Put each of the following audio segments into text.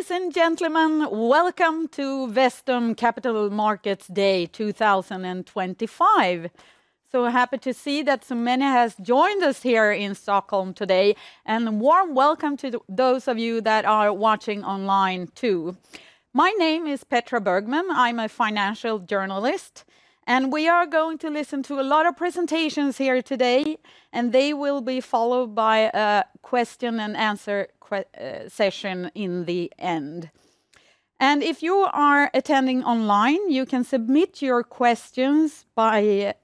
Ladies and gentlemen, welcome to Vestum Capital Markets Day 2025. So happy to see that so many have joined us here in Stockholm today, and a warm welcome to those of you that are watching online too. My name is Petra Bergman. I'm a financial journalist, and we are going to listen to a lot of presentations here today, and they will be followed by a question-and-answer session in the end. If you are attending online, you can submit your questions by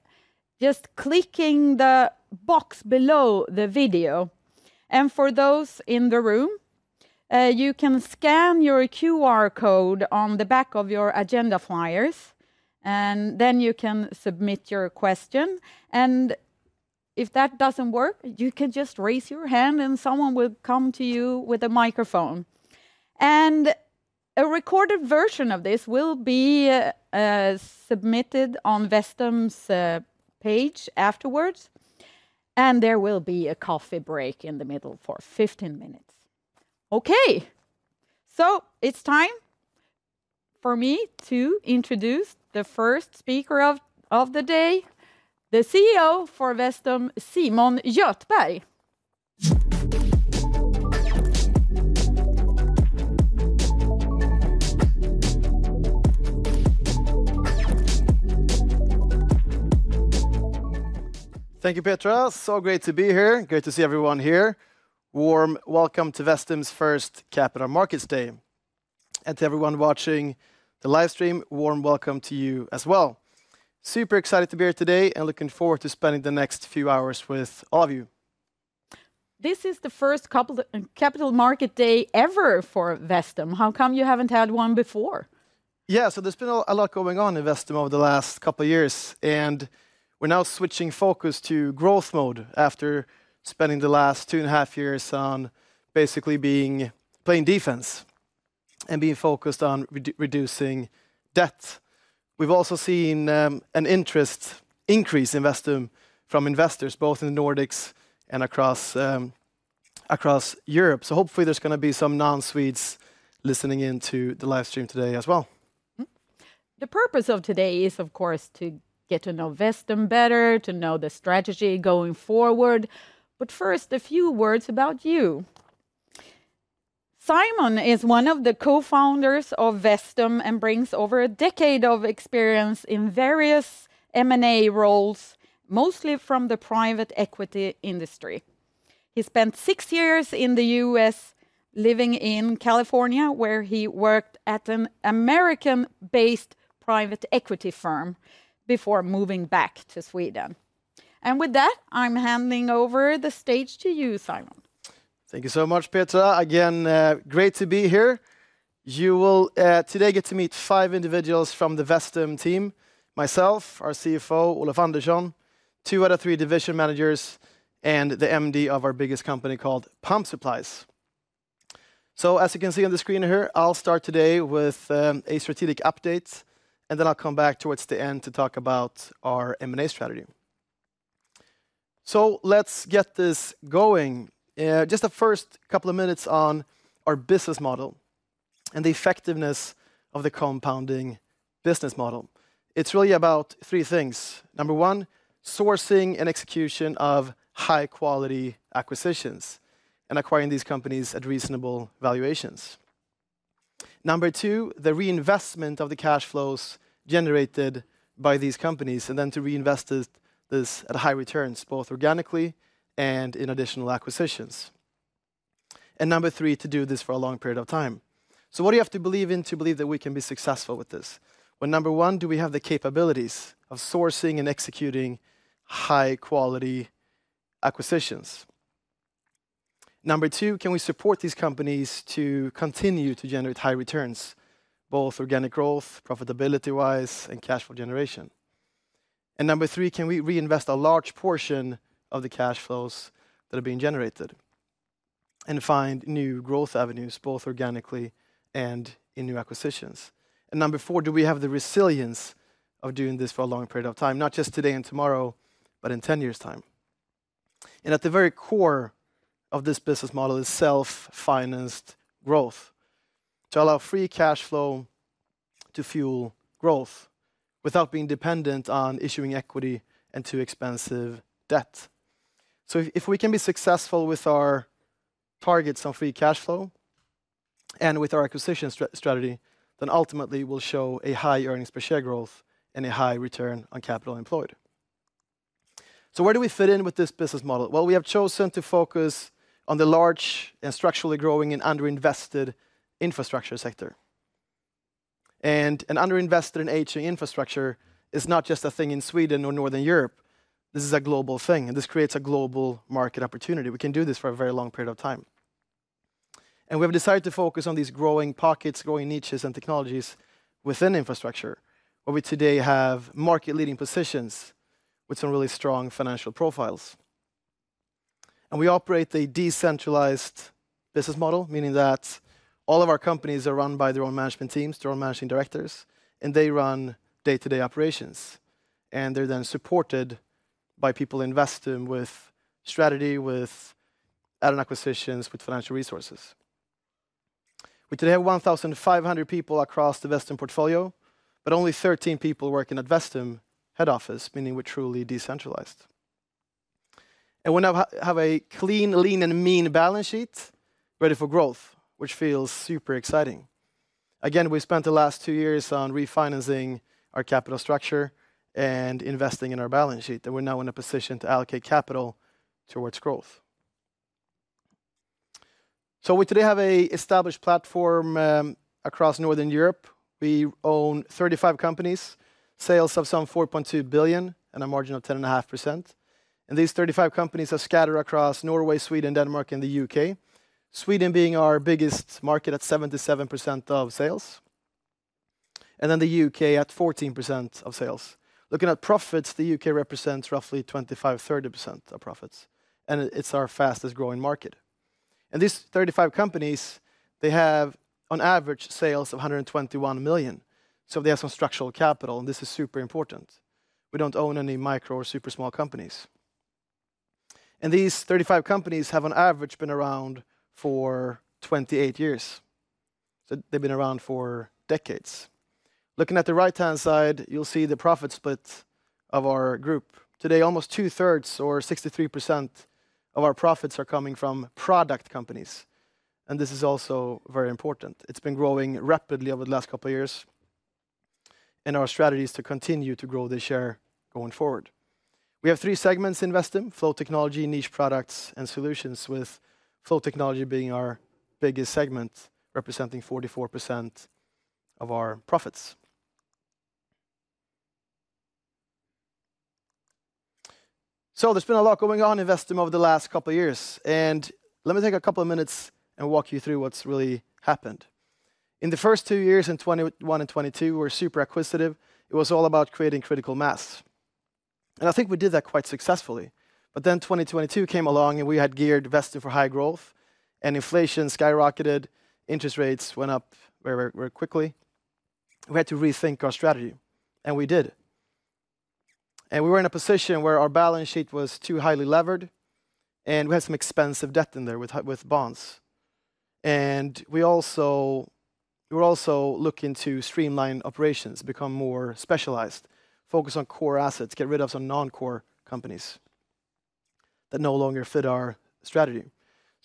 just clicking the box below the video. For those in the room, you can scan your QR code on the back of your agenda flyers, and then you can submit your question. If that doesn't work, you can just raise your hand, and someone will come to you with a microphone. A recorded version of this will be submitted on Vestum's page afterwards, and there will be a coffee break in the middle for 15 minutes. Okay, so it's time for me to introduce the first speaker of the day, the CEO for Vestum, Simon Göthberg. Thank you, Petra. Great to be here. Great to see everyone here. Warm welcome to Vestum's first Capital Markets Day. To everyone watching the live stream, warm welcome to you as well. Super excited to be here today and looking forward to spending the next few hours with all of you. This is the first Capital Markets Day ever for Vestum. How come you haven't had one before? Yeah, so there's been a lot going on in Vestum over the last couple of years, and we're now switching focus to growth mode after spending the last two and a half years on basically being playing defense and being focused on reducing debt. We've also seen an interest increase in Vestum from investors, both in the Nordics and across Europe. Hopefully there's going to be some non-Swedes listening in to the live stream today as well. The purpose of today is, of course, to get to know Vestum better, to know the strategy going forward. First, a few words about you. Simon is one of the co-founders of Vestum and brings over a decade of experience in various M&A roles, mostly from the private equity industry. He spent six years in the U.S., living in California, where he worked at an American-based private equity firm before moving back to Sweden. With that, I'm handing over the stage to you, Simon. Thank you so much, Petra. Again, great to be here. You will today get to meet five individuals from the Vestum team: myself, our CFO, Olof Andersson, two out of three division managers, and the MD of our biggest company called Pump Supplies. As you can see on the screen here, I'll start today with a strategic update, and then I'll come back towards the end to talk about our M&A strategy. Let's get this going. Just the first couple of minutes on our business model and the effectiveness of the compounding business model. It's really about three things. Number one, sourcing and execution of high-quality acquisitions and acquiring these companies at reasonable valuations. Number two, the reinvestment of the cash flows generated by these companies, and then to reinvest this at high returns, both organically and in additional acquisitions. Number three, to do this for a long period of time. What do you have to believe in to believe that we can be successful with this? Number one, do we have the capabilities of sourcing and executing high-quality acquisitions? Number two, can we support these companies to continue to generate high returns, both organic growth, profitability-wise, and cash flow generation? Number three, can we reinvest a large portion of the cash flows that are being generated and find new growth avenues, both organically and in new acquisitions? Number four, do we have the resilience of doing this for a long period of time, not just today and tomorrow, but in 10 years' time? At the very core of this business model is self-financed growth to allow free cash flow to fuel growth without being dependent on issuing equity and too expensive debt. If we can be successful with our targets on free cash flow and with our acquisition strategy, then ultimately we'll show a high earnings per share growth and a high return on capital employed. Where do we fit in with this business model? We have chosen to focus on the large and structurally growing and underinvested infrastructure sector. An underinvested and aging infrastructure is not just a thing in Sweden or Northern Europe. This is a global thing, and this creates a global market opportunity. We can do this for a very long period of time. We have decided to focus on these growing pockets, growing niches, and technologies within infrastructure, where we today have market-leading positions with some really strong financial profiles. We operate a decentralized business model, meaning that all of our companies are run by their own management teams, their own managing directors, and they run day-to-day operations. They are then supported by people in Vestum with strategy, with add-on acquisitions, with financial resources. We today have 1,500 people across the Vestum portfolio, but only 13 people working at Vestum head office, meaning we are truly decentralized. We now have a clean, lean, and mean balance sheet ready for growth, which feels super exciting. Again, we spent the last two years on refinancing our capital structure and investing in our balance sheet, and we are now in a position to allocate capital towards growth. We today have an established platform across Northern Europe. We own 35 companies, sales of some 4.2 billion and a margin of 10.5%. These 35 companies are scattered across Norway, Sweden, Denmark, and the U.K., Sweden being our biggest market at 77% of sales, and then the U.K. at 14% of sales. Looking at profits, the U.K. represents roughly 25-30% of profits, and it's our fastest-growing market. These 35 companies have on average sales of 121 million. They have some structural capital, and this is super important. We don't own any micro or super small companies. These 35 companies have on average been around for 28 years. They've been around for decades. Looking at the right-hand side, you'll see the profit split of our group. Today, almost two-thirds or 63% of our profits are coming from product companies. This is also very important. It's been growing rapidly over the last couple of years, and our strategy is to continue to grow the share going forward. We have three segments in Vestum: Flow Technology, Niche Products, and Solutions, with Flow Technology being our biggest segment, representing 44% of our profits. There has been a lot going on in Vestum over the last couple of years. Let me take a couple of minutes and walk you through what has really happened. In the first two years, in 2021 and 2022, we were super acquisitive. It was all about creating critical mass. I think we did that quite successfully. Then 2022 came along, and we had geared Vestum for high growth, and inflation skyrocketed, interest rates went up very, very quickly. We had to rethink our strategy, and we did. We were in a position where our balance sheet was too highly levered, and we had some expensive debt in there with bonds. We were also looking to streamline operations, become more specialized, focus on core assets, get rid of some non-core companies that no longer fit our strategy.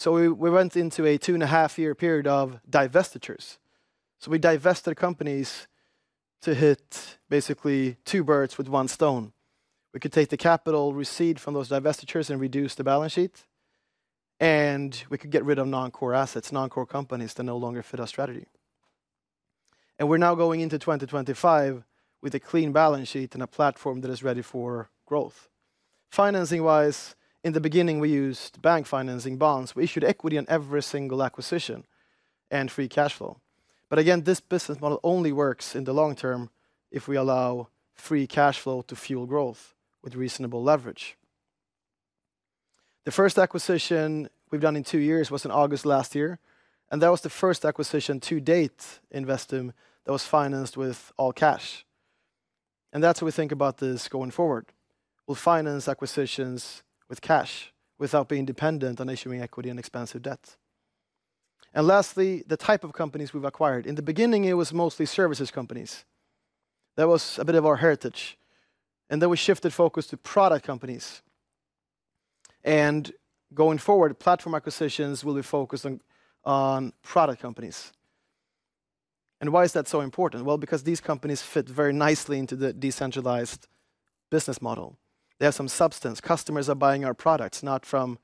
We went into a two-and-a-half-year period of divestitures. We divested companies to hit basically two birds with one stone. We could take the capital received from those divestitures and reduce the balance sheet, and we could get rid of non-core assets, non-core companies that no longer fit our strategy. We are now going into 2025 with a clean balance sheet and a platform that is ready for growth. Financing-wise, in the beginning, we used bank financing bonds. We issued equity on every single acquisition and free cash flow. Again, this business model only works in the long term if we allow free cash flow to fuel growth with reasonable leverage. The first acquisition we've done in two years was in August last year, and that was the first acquisition to date in Vestum that was financed with all cash. That is how we think about this going forward. We'll finance acquisitions with cash without being dependent on issuing equity and expensive debt. Lastly, the type of companies we've acquired. In the beginning, it was mostly services companies. That was a bit of our heritage, and then we shifted focus to product companies. Going forward, platform acquisitions will be focused on product companies. Why is that so important? Because these companies fit very nicely into the decentralized business model. They have some substance. Customers are buying our products, not from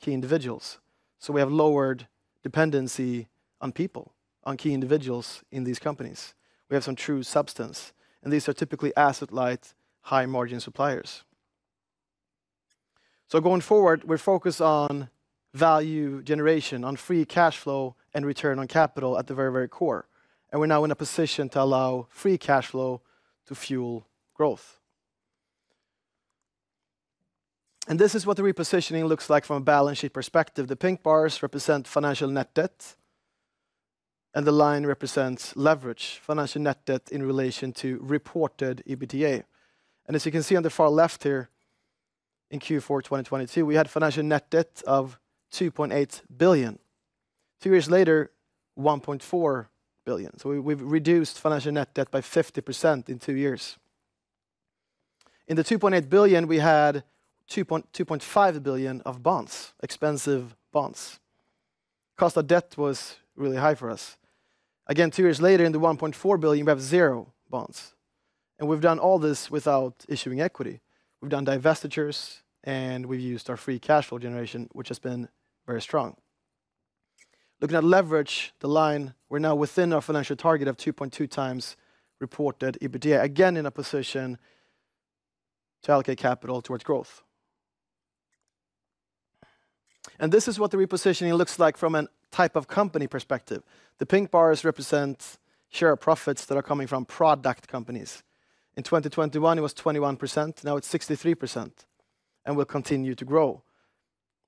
key individuals. We have lowered dependency on people, on key individuals in these companies. We have some true substance, and these are typically asset-light, high-margin suppliers. Going forward, we're focused on value generation, on free cash flow and return on capital at the very, very core. We're now in a position to allow free cash flow to fuel growth. This is what the repositioning looks like from a balance sheet perspective. The pink bars represent financial net debt, and the line represents leverage, financial net debt in relation to reported EBITDA. As you can see on the far left here, in Q4 2022, we had financial net debt of 2.8 billion. Two years later, 1.4 billion. We've reduced financial net debt by 50% in two years. In the 2.8 billion, we had 2.5 billion of bonds, expensive bonds. Cost of debt was really high for us. Two years later, in the 1.4 billion, we have zero bonds. We've done all this without issuing equity. We've done divestitures, and we've used our free cash flow generation, which has been very strong. Looking at leverage, the line, we're now within our financial target of 2.2 times reported EBITDA, again in a position to allocate capital towards growth. This is what the repositioning looks like from a type of company perspective. The pink bars represent share profits that are coming from product companies. In 2021, it was 21%. Now it's 63%, and we'll continue to grow.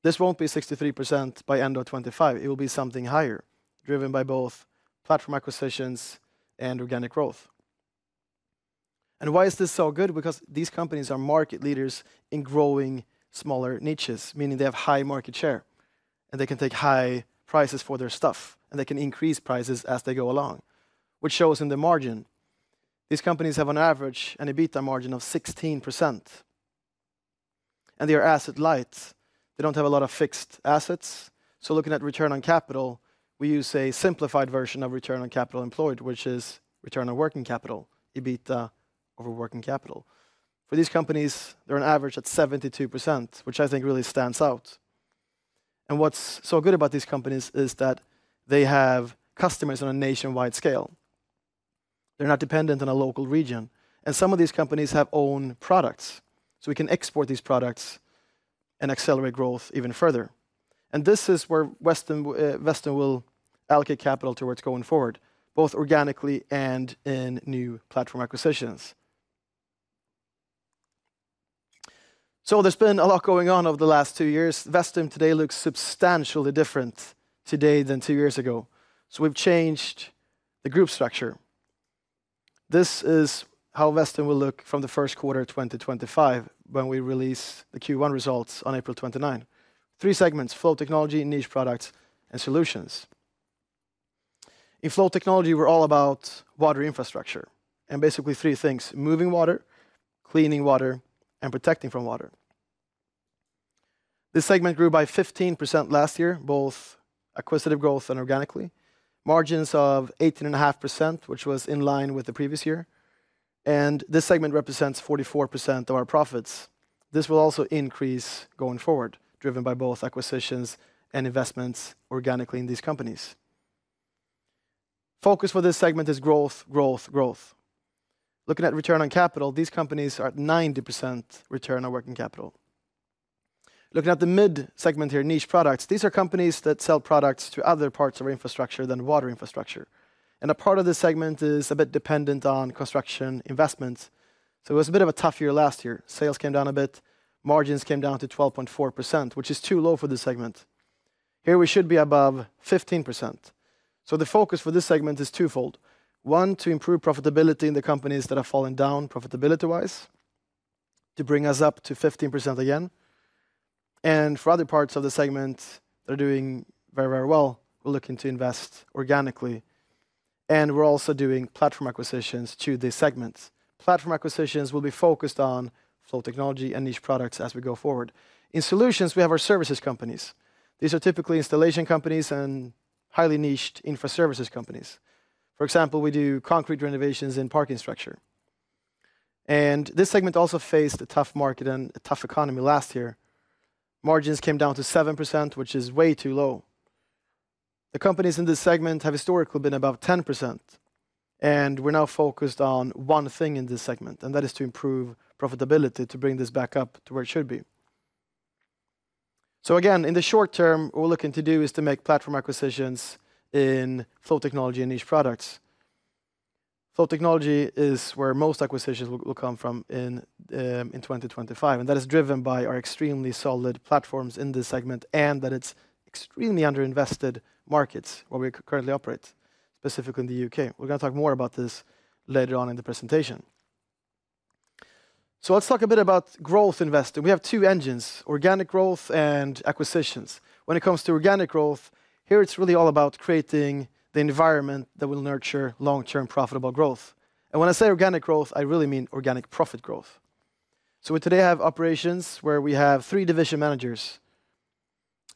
This won't be 63% by end of 2025. It will be something higher, driven by both platform acquisitions and organic growth. Why is this so good? Because these companies are market leaders in growing smaller niches, meaning they have high market share, and they can take high prices for their stuff, and they can increase prices as they go along, which shows in the margin. These companies have an average EBITDA margin of 16%, and they are asset-light. They do not have a lot of fixed assets. Looking at return on capital, we use a simplified version of return on capital employed, which is return on working capital, EBITDA over working capital. For these companies, they are on average at 72%, which I think really stands out. What is so good about these companies is that they have customers on a nationwide scale. They are not dependent on a local region. Some of these companies have own products, so we can export these products and accelerate growth even further. This is where Vestum will allocate capital towards going forward, both organically and in new platform acquisitions. There has been a lot going on over the last two years. Vestum today looks substantially different today than two years ago. We have changed the group structure. This is how Vestum will look from the first quarter of 2025 when we release the Q1 results on April 29. Three segments: Flow Technology, Niche Products, and Solutions. In Flow Technology, we're all about water infrastructure and basically three things: moving water, cleaning water, and protecting from water. This segment grew by 15% last year, both acquisitive growth and organically, margins of 18.5%, which was in line with the previous year. This segment represents 44% of our profits. This will also increase going forward, driven by both acquisitions and investments organically in these companies. Focus for this segment is growth, growth, growth. Looking at return on capital, these companies are at 90% return on working capital. Looking at the mid segment here, Niche Products, these are companies that sell products to other parts of infrastructure than water infrastructure. A part of this segment is a bit dependent on construction investments. It was a bit of a tough year last year. Sales came down a bit. Margins came down to 12.4%, which is too low for this segment. Here we should be above 15%. The focus for this segment is twofold. One, to improve profitability in the companies that have fallen down profitability-wise, to bring us up to 15% again. For other parts of the segment that are doing very, very well, we're looking to invest organically. We're also doing platform acquisitions to these segments. Platform acquisitions will be focused on Flow Technology and Niche Products as we go forward. In Solutions, we have our services companies. These are typically installation companies and highly niched infra services companies. For example, we do concrete renovations in parking structure. This segment also faced a tough market and a tough economy last year. Margins came down to 7%, which is way too low. The companies in this segment have historically been above 10%, and we are now focused on one thing in this segment, and that is to improve profitability, to bring this back up to where it should be. Again, in the short term, what we are looking to do is to make platform acquisitions in Flow Technology and Niche Products. Flow Technology is where most acquisitions will come from in 2025, and that is driven by our extremely solid platforms in this segment and that it is extremely underinvested markets where we currently operate, specifically in the U.K. We are going to talk more about this later on in the presentation. Let us talk a bit about growth investing. We have two engines: organic growth and acquisitions. When it comes to organic growth, here it is really all about creating the environment that will nurture long-term profitable growth. And when I say organic growth, I really mean organic profit growth. We today have operations where we have three division managers,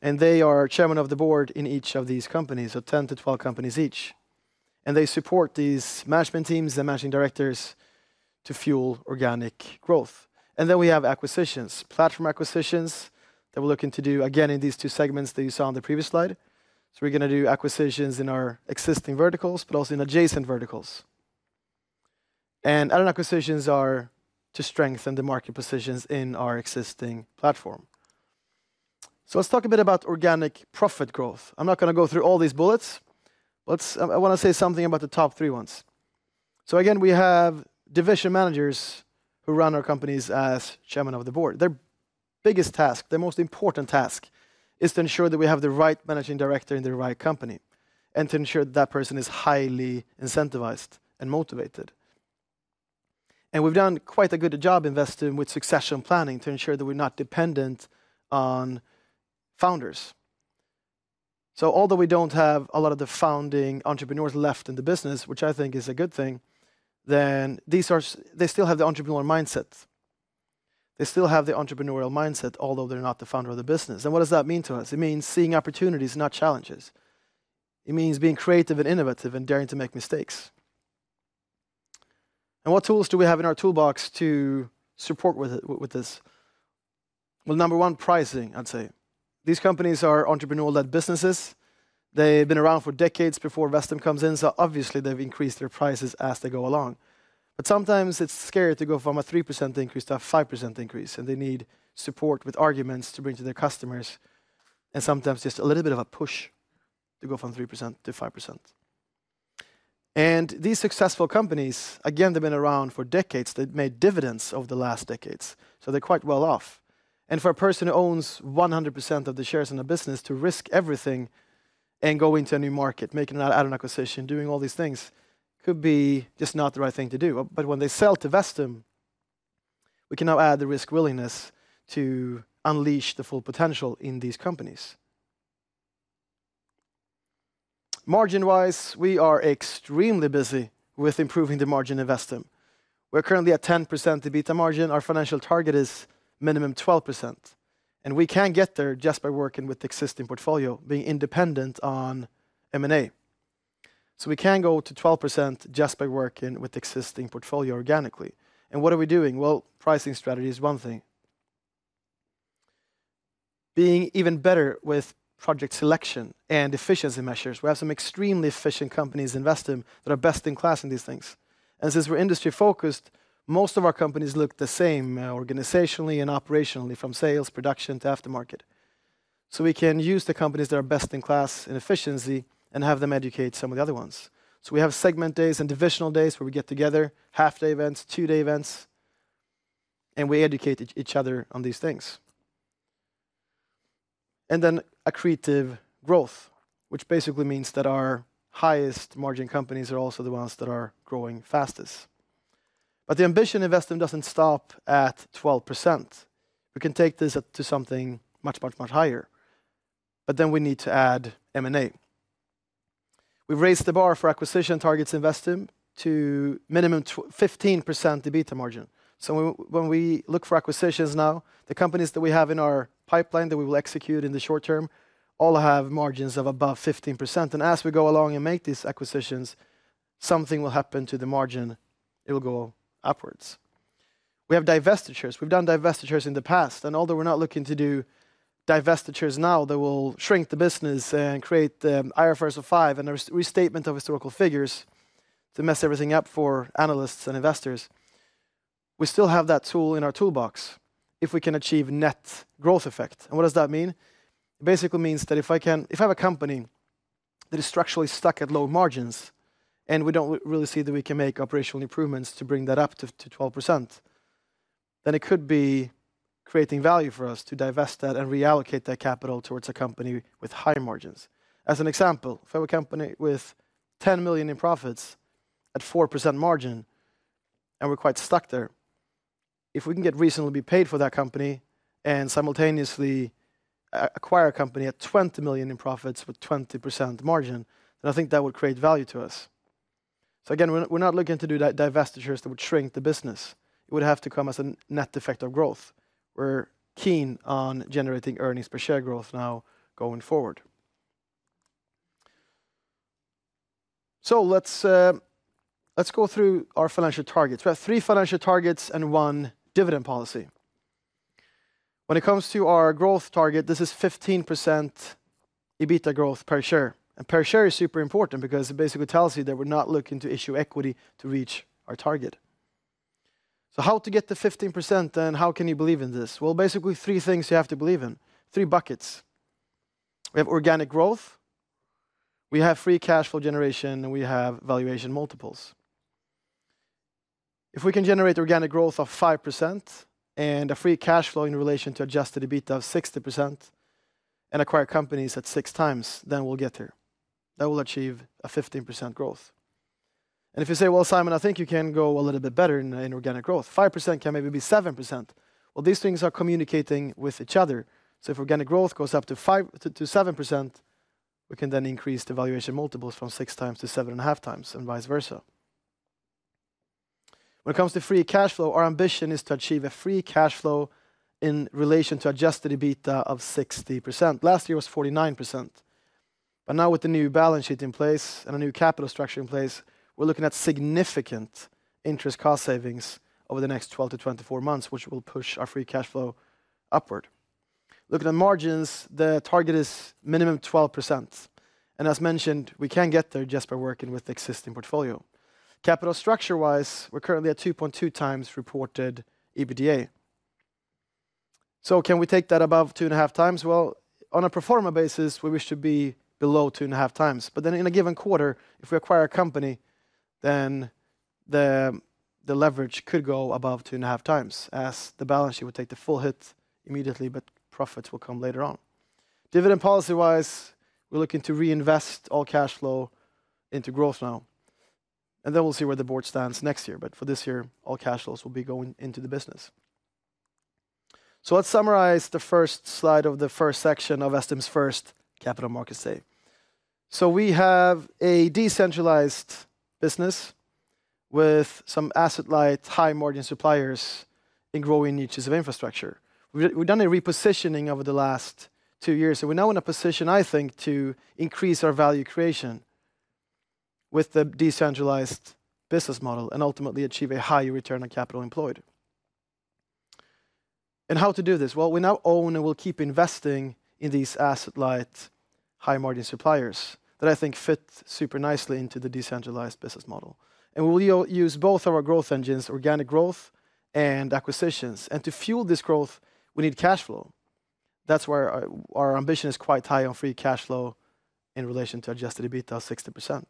and they are chairmen of the board in each of these companies, so 10-12 companies each. They support these management teams and managing directors to fuel organic growth. We have acquisitions, platform acquisitions that we are looking to do again in these two segments that you saw on the previous slide. We are going to do acquisitions in our existing verticals, but also in adjacent verticals. Add-on acquisitions are to strengthen the market positions in our existing platform. Let us talk a bit about organic profit growth. I'm not going to go through all these bullets, but I want to say something about the top three ones. We have division managers who run our companies as chairmen of the board. Their biggest task, their most important task, is to ensure that we have the right managing director in the right company and to ensure that that person is highly incentivized and motivated. We've done quite a good job, in Vestum, with succession planning to ensure that we're not dependent on founders. Although we don't have a lot of the founding entrepreneurs left in the business, which I think is a good thing, they still have the entrepreneurial mindset. They still have the entrepreneurial mindset, although they're not the founder of the business. What does that mean to us? It means seeing opportunities, not challenges. It means being creative and innovative and daring to make mistakes. What tools do we have in our toolbox to support with this? Number one, pricing, I'd say. These companies are entrepreneurial-led businesses. They've been around for decades before Vestum comes in, so obviously they've increased their prices as they go along. Sometimes it's scary to go from a 3% increase to a 5% increase, and they need support with arguments to bring to their customers and sometimes just a little bit of a push to go from 3% to 5%. These successful companies, again, they've been around for decades. They've made dividends over the last decades, so they're quite well off. For a person who owns 100% of the shares in a business to risk everything and go into a new market, making an added acquisition, doing all these things could be just not the right thing to do. When they sell to Vestum, we can now add the risk willingness to unleash the full potential in these companies. Margin-wise, we are extremely busy with improving the margin in Vestum. We are currently at 10% EBITDA margin. Our financial target is minimum 12%, and we can get there just by working with the existing portfolio, being independent on M&A. We can go to 12% just by working with the existing portfolio organically. What are we doing? Pricing strategy is one thing. Being even better with project selection and efficiency measures. We have some extremely efficient companies in Vestum that are best in class in these things. Since we're industry-focused, most of our companies look the same organizationally and operationally from sales, production to aftermarket. We can use the companies that are best in class in efficiency and have them educate some of the other ones. We have segment days and divisional days where we get together, half-day events, two-day events, and we educate each other on these things. Accretive growth basically means that our highest margin companies are also the ones that are growing fastest. The ambition in Vestum does not stop at 12%. We can take this to something much, much, much higher, but we need to add M&A. We have raised the bar for acquisition targets in Vestum to minimum 15% EBITDA margin. When we look for acquisitions now, the companies that we have in our pipeline that we will execute in the short term all have margins of above 15%. As we go along and make these acquisitions, something will happen to the margin. It will go upwards. We have divestitures. We've done divestitures in the past, and although we're not looking to do divestitures now that will shrink the business and create the IFRS 5 and a restatement of historical figures to mess everything up for analysts and investors, we still have that tool in our toolbox if we can achieve net growth effect. What does that mean? It basically means that if I have a company that is structurally stuck at low margins and we do not really see that we can make operational improvements to bring that up to 12%, then it could be creating value for us to divest that and reallocate that capital towards a company with high margins. As an example, if I have a company with $10 million in profits at 4% margin and we are quite stuck there, if we can get reasonably paid for that company and simultaneously acquire a company at $20 million in profits with 20% margin, then I think that would create value to us. Again, we are not looking to do divestitures that would shrink the business. It would have to come as a net effect of growth. We are keen on generating earnings per share growth now going forward. Let's go through our financial targets. We have three financial targets and one dividend policy. When it comes to our growth target, this is 15% EBITDA growth per share. And per share is super important because it basically tells you that we're not looking to issue equity to reach our target. How to get to 15% and how can you believe in this? Basically three things you have to believe in, three buckets. We have organic growth, we have free cash flow generation, and we have valuation multiples. If we can generate organic growth of 5% and a free cash flow in relation to adjusted EBITDA of 60% and acquire companies at six times, then we'll get there. That will achieve a 15% growth. If you say, "Well, Simon, I think you can go a little bit better in organic growth. 5% can maybe be 7%." These things are communicating with each other. If organic growth goes up to 7%, we can then increase the valuation multiples from six times to seven and a half times and vice versa. When it comes to free cash flow, our ambition is to achieve a free cash flow in relation to adjusted EBITDA of 60%. Last year was 49%, but now with the new balance sheet in place and a new capital structure in place, we are looking at significant interest cost savings over the next 12-24 months, which will push our free cash flow upward. Looking at margins, the target is minimum 12%. As mentioned, we can get there just by working with the existing portfolio. Capital structure-wise, we are currently at 2.2 times reported EBITDA. Can we take that above two and a half times? On a pro forma basis, we wish to be below 2.5 times. In a given quarter, if we acquire a company, then the leverage could go above 2.5 times as the balance sheet would take the full hit immediately, but profits will come later on. Dividend policy-wise, we're looking to reinvest all cash flow into growth now, and we'll see where the board stands next year. For this year, all cash flows will be going into the business. Let's summarize the first slide of the first section of Vestum's first capital markets day. We have a decentralized business with some asset-light, high-margin suppliers in growing niches of infrastructure. We've done a repositioning over the last two years, and we're now in a position, I think, to increase our value creation with the decentralized business model and ultimately achieve a high return on capital employed. How to do this? We now own and will keep investing in these asset-light, high-margin suppliers that I think fit super nicely into the decentralized business model. We will use both of our growth engines, organic growth and acquisitions. To fuel this growth, we need cash flow. That's where our ambition is quite high on free cash flow in relation to adjusted EBITDA of 60%.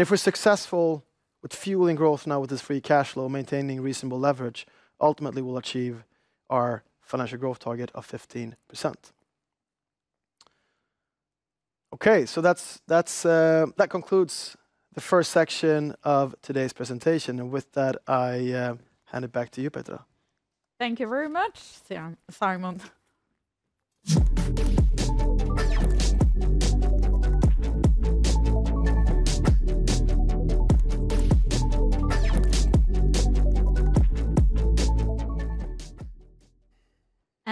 If we're successful with fueling growth now with this free cash flow, maintaining reasonable leverage, ultimately we'll achieve our financial growth target of 15%. Okay, that concludes the first section of today's presentation. With that, I hand it back to you, Petra. Thank you very much, Simon.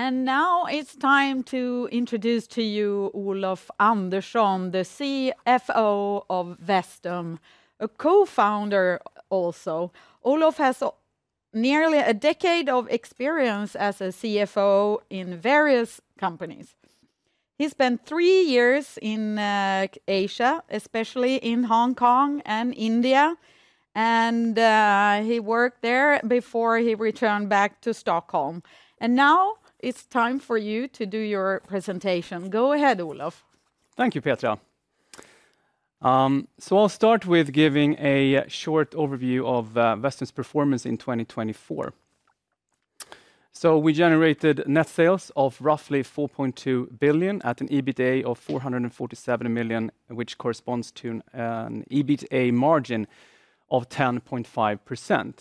Now it's time to introduce to you Olof Andersson, the CFO of Vestum, a co-founder also. Olof has nearly a decade of experience as a CFO in various companies. He spent three years in Asia, especially in Hong Kong and India, and he worked there before he returned back to Stockholm. Now it's time for you to do your presentation. Go ahead, Olof. Thank you, Petra. I'll start with giving a short overview of Vestum's performance in 2024. We generated net sales of roughly 4.2 billion at an EBITDA of 447 million, which corresponds to an EBITDA margin of 10.5%.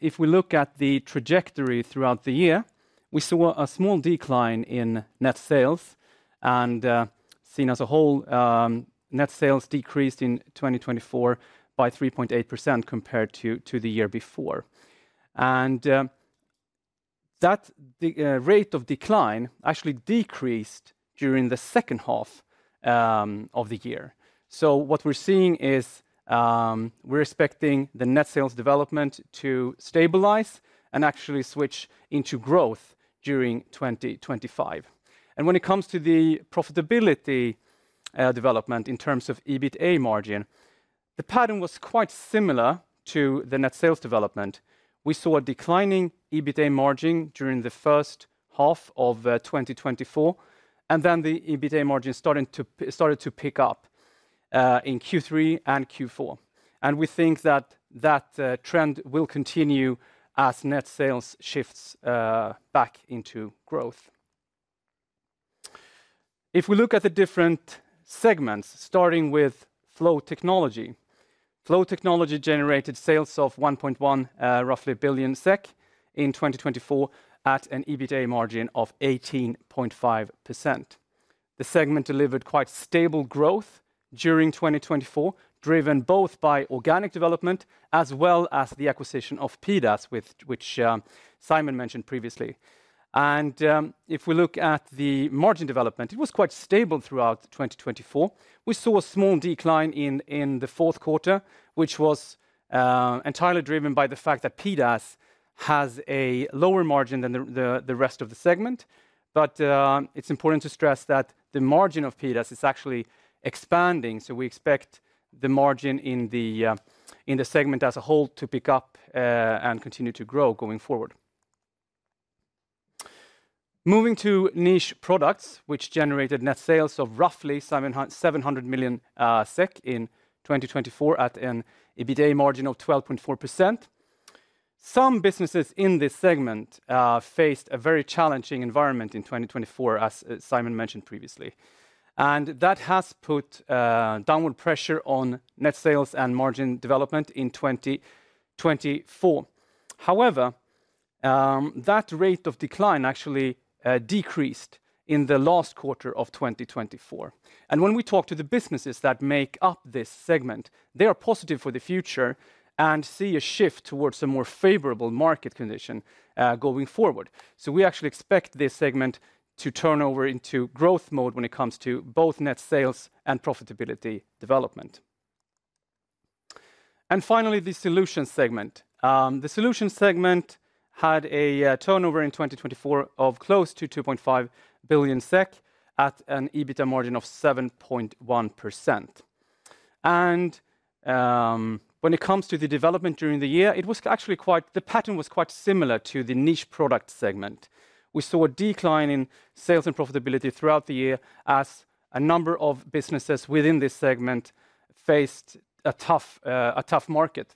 If we look at the trajectory throughout the year, we saw a small decline in net sales and seen as a whole net sales decreased in 2024 by 3.8% compared to the year before. That rate of decline actually decreased during the second half of the year. What we are seeing is we are expecting the net sales development to stabilize and actually switch into growth during 2025. When it comes to the profitability development in terms of EBITDA margin, the pattern was quite similar to the net sales development. We saw a declining EBITDA margin during the first half of 2024, and then the EBITDA margin started to pick up in Q3 and Q4. We think that trend will continue as net sales shifts back into growth. If we look at the different segments, starting with Flow Technology, Flow Technology generated sales of 1.1 billion SEK, roughly a billion SEK, in 2024 at an EBITDA margin of 18.5%. The segment delivered quite stable growth during 2024, driven both by organic development as well as the acquisition of PDAS, which Simon mentioned previously. If we look at the margin development, it was quite stable throughout 2024. We saw a small decline in the fourth quarter, which was entirely driven by the fact that PDAS has a lower margin than the rest of the segment. It is important to stress that the margin of PDAS is actually expanding, so we expect the margin in the segment as a whole to pick up and continue to grow going forward. Moving to Niche Products, which generated net sales of roughly 700 million SEK in 2024 at an EBITDA margin of 12.4%. Some businesses in this segment faced a very challenging environment in 2024, as Simon mentioned previously, and that has put downward pressure on net sales and margin development in 2024. However, that rate of decline actually decreased in the last quarter of 2024. When we talk to the businesses that make up this segment, they are positive for the future and see a shift towards a more favorable market condition going forward. We actually expect this segment to turn over into growth mode when it comes to both net sales and profitability development. Finally, the Solutions segment. The Solutions segment had a turnover in 2024 of close to 2.5 billion SEK at an EBITDA margin of 7.1%. When it comes to the development during the year, the pattern was quite similar to the Niche Products segment. We saw a decline in sales and profitability throughout the year as a number of businesses within this segment faced a tough market.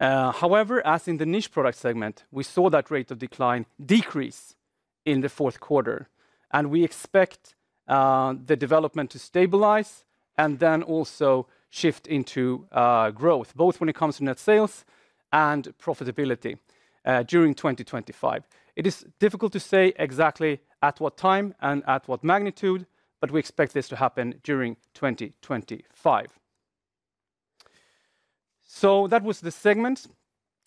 However, as in the Niche Products segment, we saw that rate of decline decrease in the fourth quarter, and we expect the development to stabilize and then also shift into growth, both when it comes to net sales and profitability during 2025. It is difficult to say exactly at what time and at what magnitude, but we expect this to happen during 2025. That was the segment.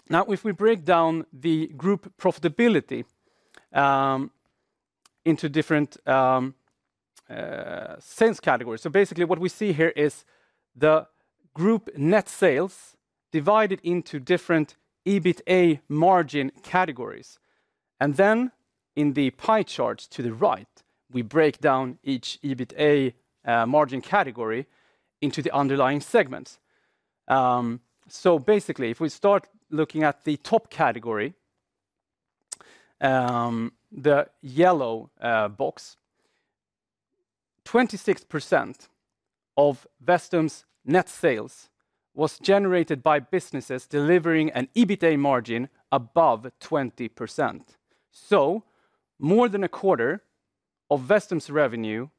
Now, if we break down the group profitability into different sales categories, basically what we see here is the group net sales divided into different EBITDA margin categories. In the pie chart to the right, we break down each EBITDA margin category into the underlying segments. Basically, if we start looking at the top category, the yellow box, 26% of Vestum's net sales was generated by businesses delivering an EBITDA margin above 20%. More than a quarter of Vestum's revenue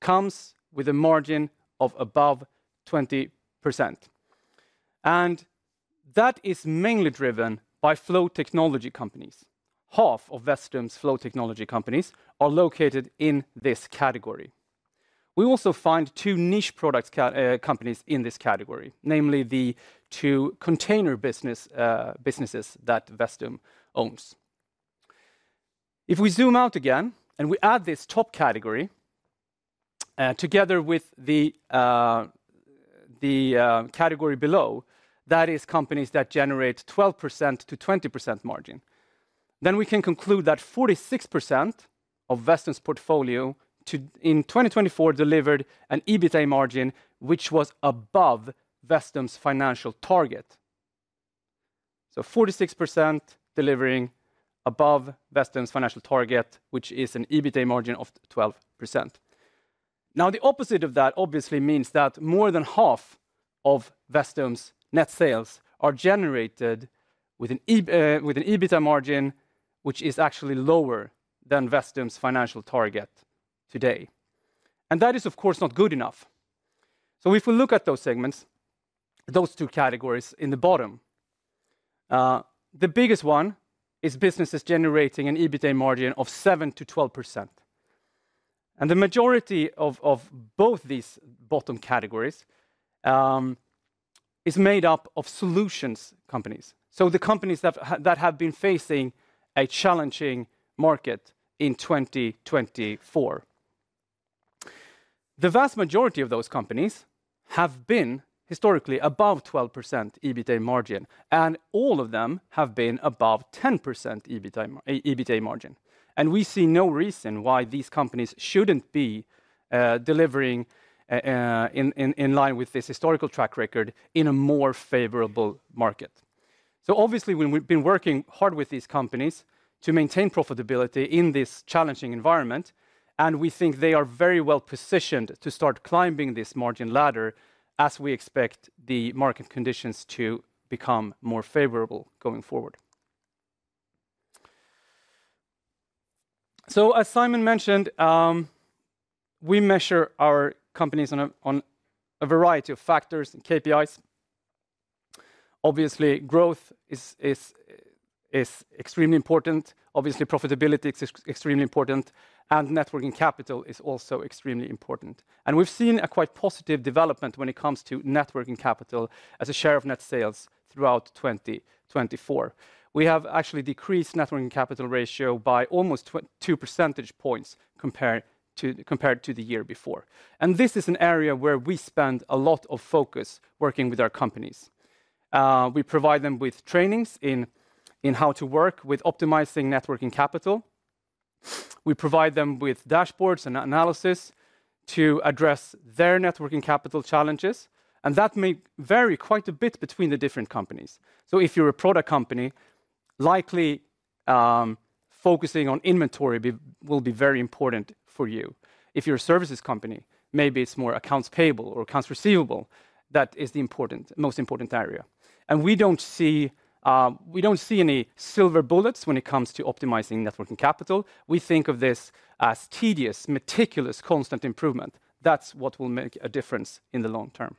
comes with a margin of above 20%. That is mainly driven by flow technology companies. Half of Vestum's flow technology companies are located in this category. We also find two niche product companies in this category, namely the two container businesses that Vestum owns. If we zoom out again and we add this top category together with the category below, that is companies that generate 12%-20% margin, then we can conclude that 46% of Vestum's portfolio in 2024 delivered an EBITDA margin which was above Vestum's financial target. 46% delivering above Vestum's financial target, which is an EBITDA margin of 12%. The opposite of that obviously means that more than half of Vestum's net sales are generated with an EBITDA margin which is actually lower than Vestum's financial target today. That is, of course, not good enough. If we look at those segments, those two categories in the bottom, the biggest one is businesses generating an EBITDA margin of 7%-12%. The majority of both these bottom categories is made up of solutions companies, so the companies that have been facing a challenging market in 2024. The vast majority of those companies have been historically above 12% EBITDA margin, and all of them have been above 10% EBITDA margin. We see no reason why these companies should not be delivering in line with this historical track record in a more favorable market. Obviously, we have been working hard with these companies to maintain profitability in this challenging environment, and we think they are very well positioned to start climbing this margin ladder as we expect the market conditions to become more favorable going forward. As Simon mentioned, we measure our companies on a variety of factors and KPIs. Obviously, growth is extremely important. Obviously, profitability is extremely important, and net working capital is also extremely important. We have seen a quite positive development when it comes to net working capital as a share of net sales throughout 2024. We have actually decreased net working capital ratio by almost two percentage points compared to the year before. This is an area where we spend a lot of focus working with our companies. We provide them with trainings in how to work with optimizing net working capital. We provide them with dashboards and analysis to address their net working capital challenges. That may vary quite a bit between the different companies. If you are a product company, likely focusing on inventory will be very important for you. If you're a services company, maybe it's more accounts payable or accounts receivable. That is the most important area. We don't see any silver bullets when it comes to optimizing net working capital. We think of this as tedious, meticulous, constant improvement. That's what will make a difference in the long term.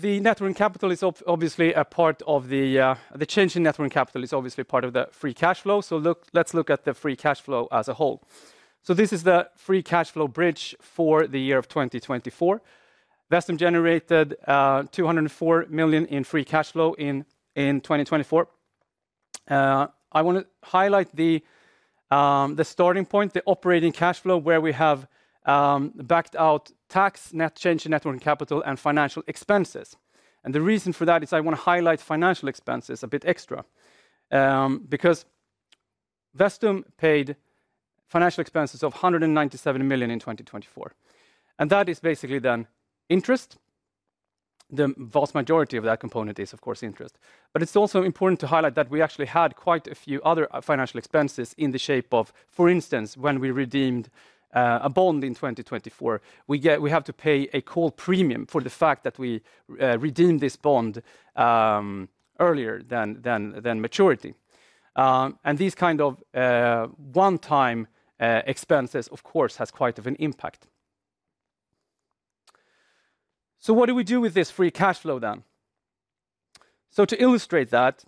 The net working capital is obviously a part of the change in net working capital, is obviously part of the free cash flow. Let's look at the free cash flow as a whole. This is the free cash flow bridge for the year of 2024. Vestum generated 204 million in free cash flow in 2024. I want to highlight the starting point, the operating cash flow, where we have backed out tax, net change in net working capital, and financial expenses. The reason for that is I want to highlight financial expenses a bit extra because Vestum paid financial expenses of 197 million in 2024. That is basically then interest. The vast majority of that component is, of course, interest. It is also important to highlight that we actually had quite a few other financial expenses in the shape of, for instance, when we redeemed a bond in 2024, we have to pay a call premium for the fact that we redeemed this bond earlier than maturity. These kind of one-time expenses, of course, have quite an impact. What do we do with this free cash flow then? To illustrate that,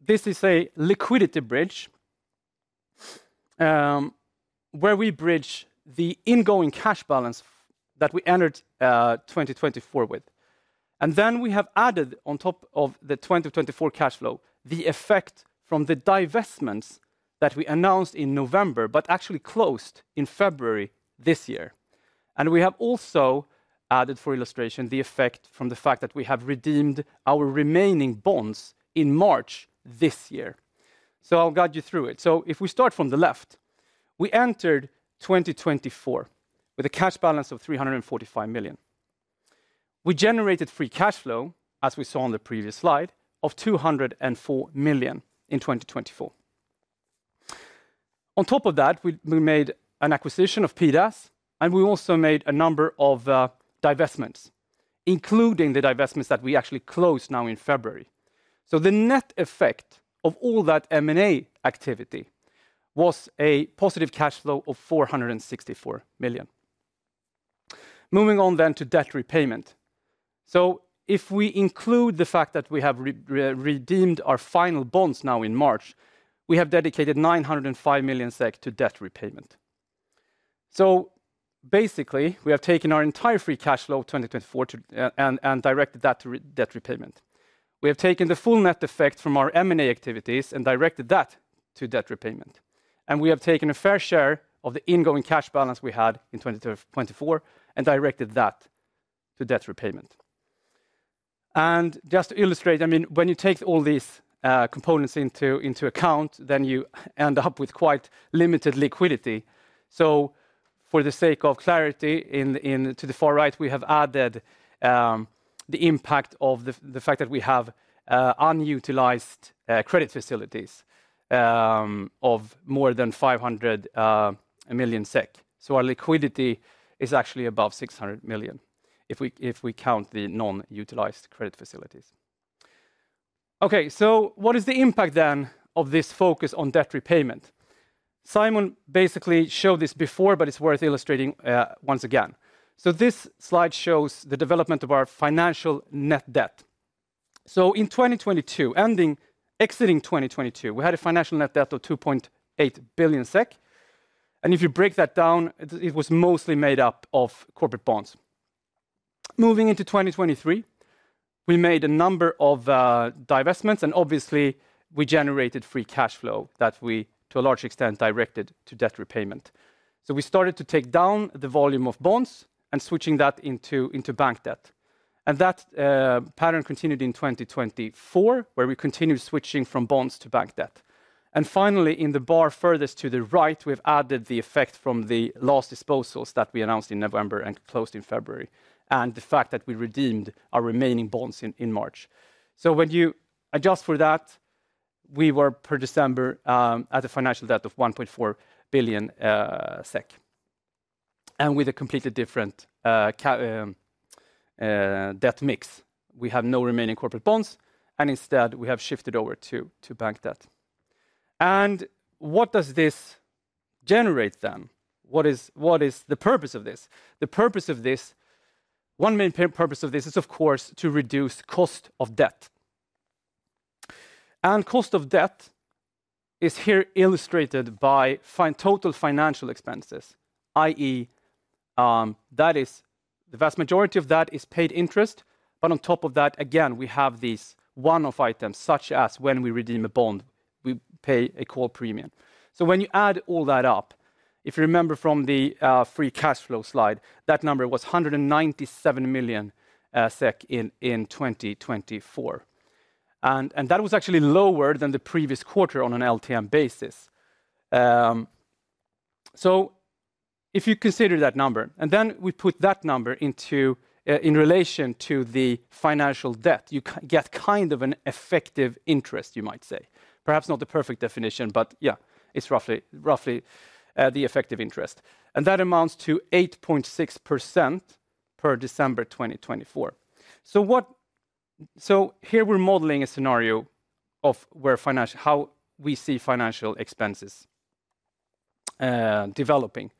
this is a liquidity bridge where we bridge the ingoing cash balance that we entered 2024 with. Then we have added on top of the 2024 cash flow the effect from the divestments that we announced in November, but actually closed in February this year. We have also added, for illustration, the effect from the fact that we have redeemed our remaining bonds in March this year. I'll guide you through it. If we start from the left, we entered 2024 with a cash balance of 345 million. We generated free cash flow, as we saw on the previous slide, of 204 million in 2024. On top of that, we made an acquisition of PDAS, and we also made a number of divestments, including the divestments that we actually closed now in February. The net effect of all that M&A activity was a positive cash flow of 464 million. Moving on then to debt repayment. If we include the fact that we have redeemed our final bonds now in March, we have dedicated 905 million SEK to debt repayment. Basically, we have taken our entire free cash flow of 2024 and directed that to debt repayment. We have taken the full net effect from our M&A activities and directed that to debt repayment. We have taken a fair share of the ingoing cash balance we had in 2024 and directed that to debt repayment. I mean, when you take all these components into account, you end up with quite limited liquidity. For the sake of clarity, to the far right, we have added the impact of the fact that we have unutilized credit facilities of more than 500 million SEK. Our liquidity is actually above 600 million if we count the non-utilized credit facilities. Okay, so what is the impact then of this focus on debt repayment? Simon basically showed this before, but it's worth illustrating once again. This slide shows the development of our financial net debt. In 2022, exiting 2022, we had a financial net debt of 2.8 billion SEK. If you break that down, it was mostly made up of corporate bonds. Moving into 2023, we made a number of divestments, and obviously, we generated free cash flow that we, to a large extent, directed to debt repayment. We started to take down the volume of bonds and switching that into bank debt. That pattern continued in 2024, where we continued switching from bonds to bank debt. Finally, in the bar furthest to the right, we have added the effect from the last disposals that we announced in November and closed in February, and the fact that we redeemed our remaining bonds in March. When you adjust for that, we were per December at a financial debt of 1.4 billion SEK. With a completely different debt mix, we have no remaining corporate bonds, and instead, we have shifted over to bank debt. What does this generate then? What is the purpose of this? The purpose of this, one main purpose of this is, of course, to reduce cost of debt. Cost of debt is here illustrated by total financial expenses, i.e., that is the vast majority of that is paid interest. On top of that, again, we have these one-off items, such as when we redeem a bond, we pay a call premium. When you add all that up, if you remember from the free cash flow slide, that number was 197 million SEK in 2024. That was actually lower than the previous quarter on an LTM basis. If you consider that number, and then we put that number in relation to the financial debt, you get kind of an effective interest, you might say. Perhaps not the perfect definition, but yeah, it is roughly the effective interest. That amounts to 8.6% per December 2024. Here we are modeling a scenario of how we see financial expenses developing.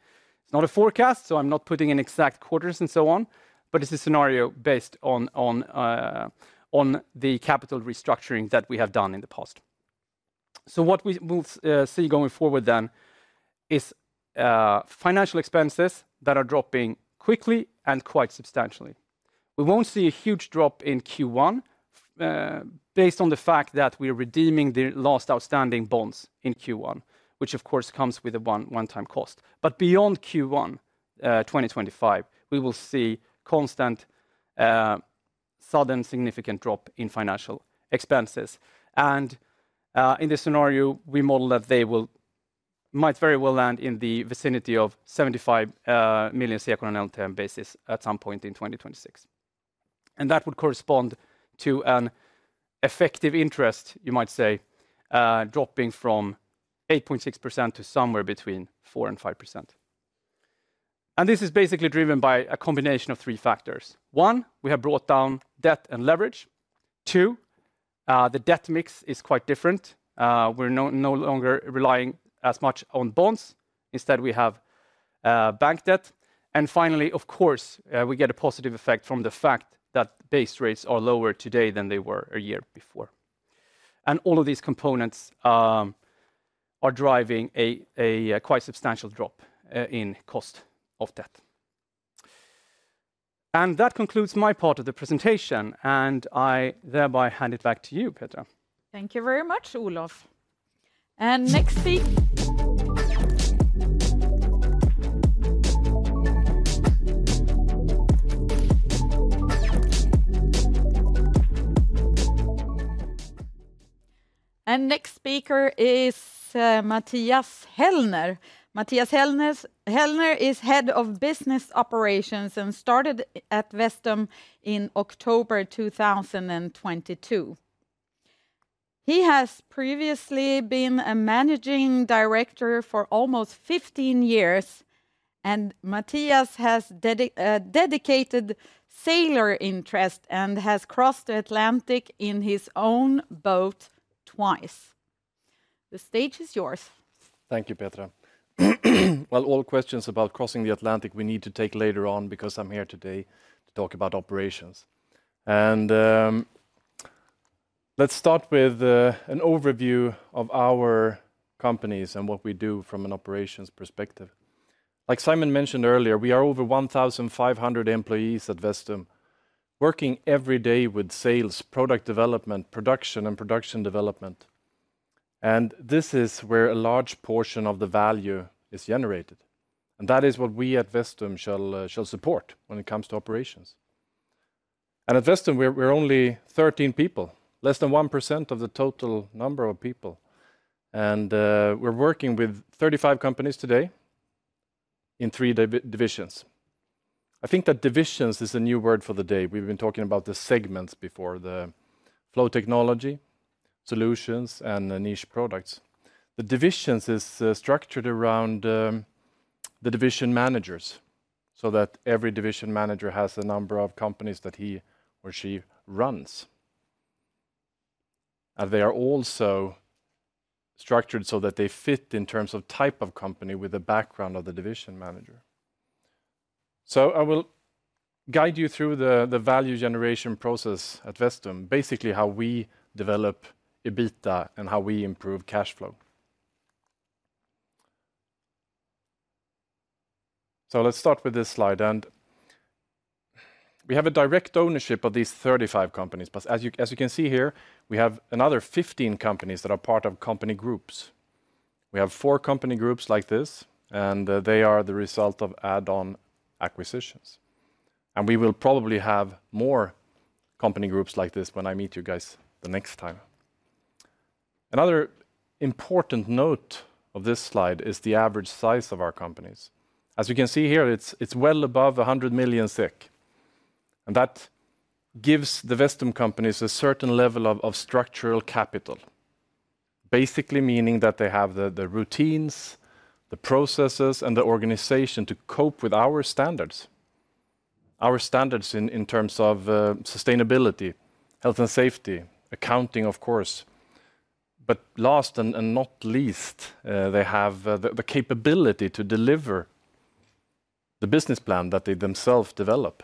It's not a forecast, so I'm not putting in exact quarters and so on, but it's a scenario based on the capital restructuring that we have done in the past. What we will see going forward then is financial expenses that are dropping quickly and quite substantially. We won't see a huge drop in Q1 based on the fact that we are redeeming the last outstanding bonds in Q1, which of course comes with a one-time cost. Beyond Q1 2025, we will see constant, sudden, significant drop in financial expenses. In this scenario, we model that they might very well land in the vicinity of 75 million on an LTM basis at some point in 2026. That would correspond to an effective interest, you might say, dropping from 8.6% to somewhere between 4%-5%. This is basically driven by a combination of three factors. One, we have brought down debt and leverage. Two, the debt mix is quite different. We are no longer relying as much on bonds. Instead, we have bank debt. Finally, of course, we get a positive effect from the fact that base rates are lower today than they were a year before. All of these components are driving a quite substantial drop in cost of debt. That concludes my part of the presentation, and I thereby hand it back to you, Petra. Thank you very much, Olof. Next speaker. Next speaker is Mattias Hellner. Mattias Hellner is Head of Business Operations and started at Vestum in October 2022. He has previously been a Managing Director for almost 15 years, and Mattias has dedicated sailor interest and has crossed the Atlantic in his own boat twice. The stage is yours. Thank you, Petra. All questions about crossing the Atlantic we need to take later on because I'm here today to talk about operations. Let's start with an overview of our companies and what we do from an operations perspective. Like Simon mentioned earlier, we are over 1,500 employees at Vestum, working every day with sales, product development, production, and production development. This is where a large portion of the value is generated. That is what we at Vestum shall support when it comes to operations. At Vestum, we're only 13 people, less than 1% of the total number of people. We're working with 35 companies today in three divisions. I think that divisions is a new word for the day. We've been talking about the segments before, the flow technology, solutions, and niche products. The divisions is structured around the division managers so that every division manager has a number of companies that he or she runs. They are also structured so that they fit in terms of type of company with the background of the division manager. I will guide you through the value generation process at Vestum, basically how we develop EBITDA and how we improve cash flow. Let's start with this slide. We have a direct ownership of these 35 companies. As you can see here, we have another 15 companies that are part of company groups. We have four company groups like this, and they are the result of add-on acquisitions. We will probably have more company groups like this when I meet you guys the next time. Another important note of this slide is the average size of our companies. As you can see here, it is well above 100 million. That gives the Vestum companies a certain level of structural capital, basically meaning that they have the routines, the processes, and the organization to cope with our standards, our standards in terms of sustainability, health and safety, accounting, of course. Last and not least, they have the capability to deliver the business plan that they themselves develop.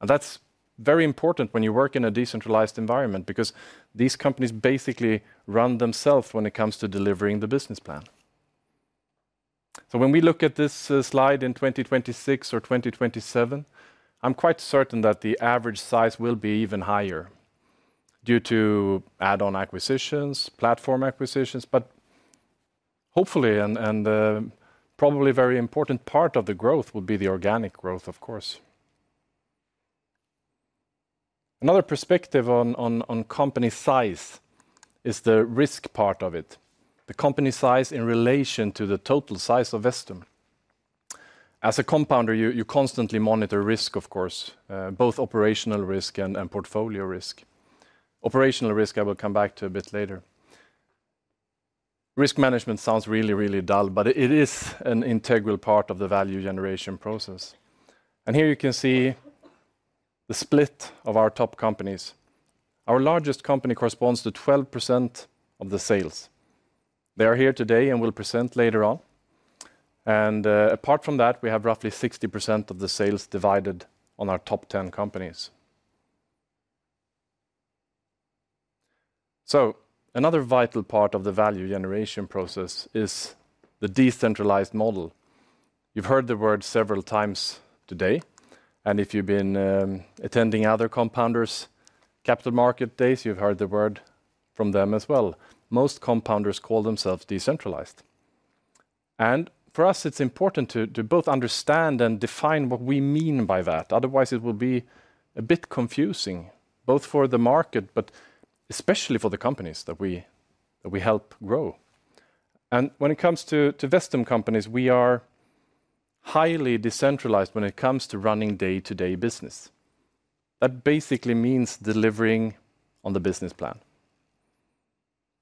That is very important when you work in a decentralized environment because these companies basically run themselves when it comes to delivering the business plan. When we look at this slide in 2026 or 2027, I am quite certain that the average size will be even higher due to add-on acquisitions, platform acquisitions. Hopefully, and probably a very important part of the growth will be the organic growth, of course. Another perspective on company size is the risk part of it, the company size in relation to the total size of Vestum. As a compounder, you constantly monitor risk, of course, both operational risk and portfolio risk. Operational risk, I will come back to a bit later. Risk management sounds really, really dull, but it is an integral part of the value generation process. Here you can see the split of our top companies. Our largest company corresponds to 12% of the sales. They are here today and will present later on. Apart from that, we have roughly 60% of the sales divided on our top 10 companies. Another vital part of the value generation process is the decentralized model. You've heard the word several times today. If you've been attending other compounders' capital market days, you've heard the word from them as well. Most compounders call themselves decentralized. For us, it's important to both understand and define what we mean by that. Otherwise, it will be a bit confusing, both for the market, but especially for the companies that we help grow. When it comes to Vestum companies, we are highly decentralized when it comes to running day-to-day business. That basically means delivering on the business plan.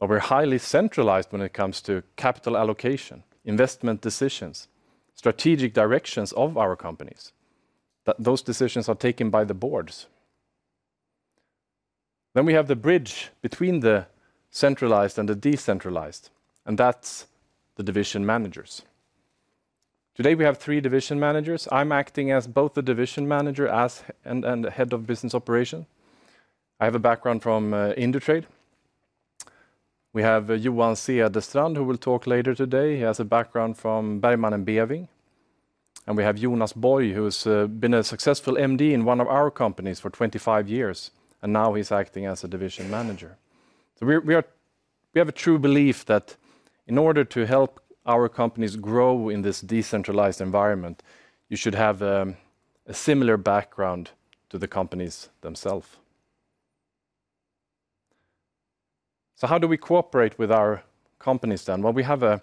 We are highly centralized when it comes to capital allocation, investment decisions, strategic directions of our companies. Those decisions are taken by the boards. We have the bridge between the centralized and the decentralized, and that's the division managers. Today, we have three division managers. I'm acting as both a division manager and a head of business operation. I have a background from Indutrade. We have Johan Cederstrand, who will talk later today. He has a background from Bergman & Beving. We have Jonas Borg, who's been a successful MD in one of our companies for 25 years, and now he's acting as a division manager. We have a true belief that in order to help our companies grow in this decentralized environment, you should have a similar background to the companies themselves. How do we cooperate with our companies then? We have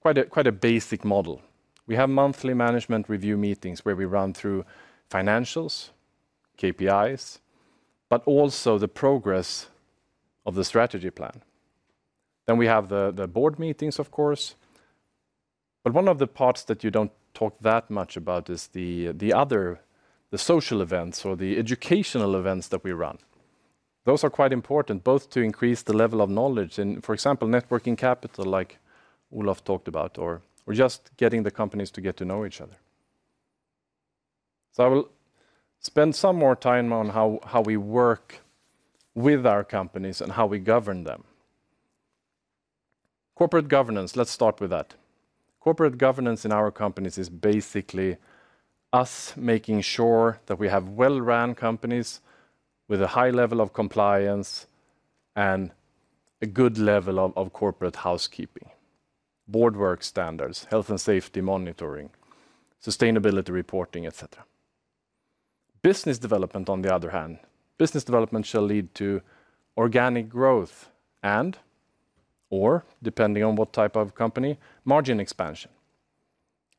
quite a basic model. We have monthly management review meetings where we run through financials, KPIs, but also the progress of the strategy plan. We have the board meetings, of course. One of the parts that you do not talk that much about is the other social events or the educational events that we run. Those are quite important, both to increase the level of knowledge and, for example, working capital like Olof talked about, or just getting the companies to get to know each other. I will spend some more time on how we work with our companies and how we govern them. Corporate governance, let's start with that. Corporate governance in our companies is basically us making sure that we have well-run companies with a high level of compliance and a good level of corporate housekeeping, board work standards, health and safety monitoring, sustainability reporting, etc. Business development, on the other hand, business development shall lead to organic growth and, or depending on what type of company, margin expansion.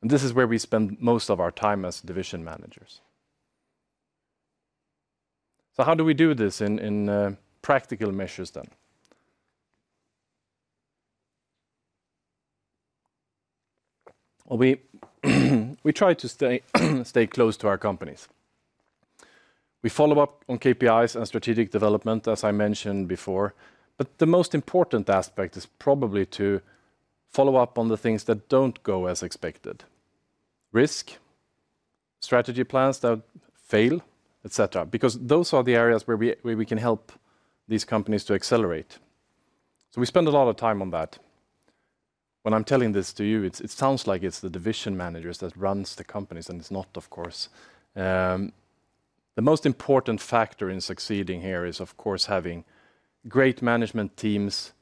This is where we spend most of our time as division managers. How do we do this in practical measures then? We try to stay close to our companies. We follow up on KPIs and strategic development, as I mentioned before. The most important aspect is probably to follow up on the things that do not go as expected: risk, strategy plans that fail, etc., because those are the areas where we can help these companies to accelerate. We spend a lot of time on that. When I am telling this to you, it sounds like it is the division managers that run the companies, and it is not, of course. The most important factor in succeeding here is, of course, having great management teams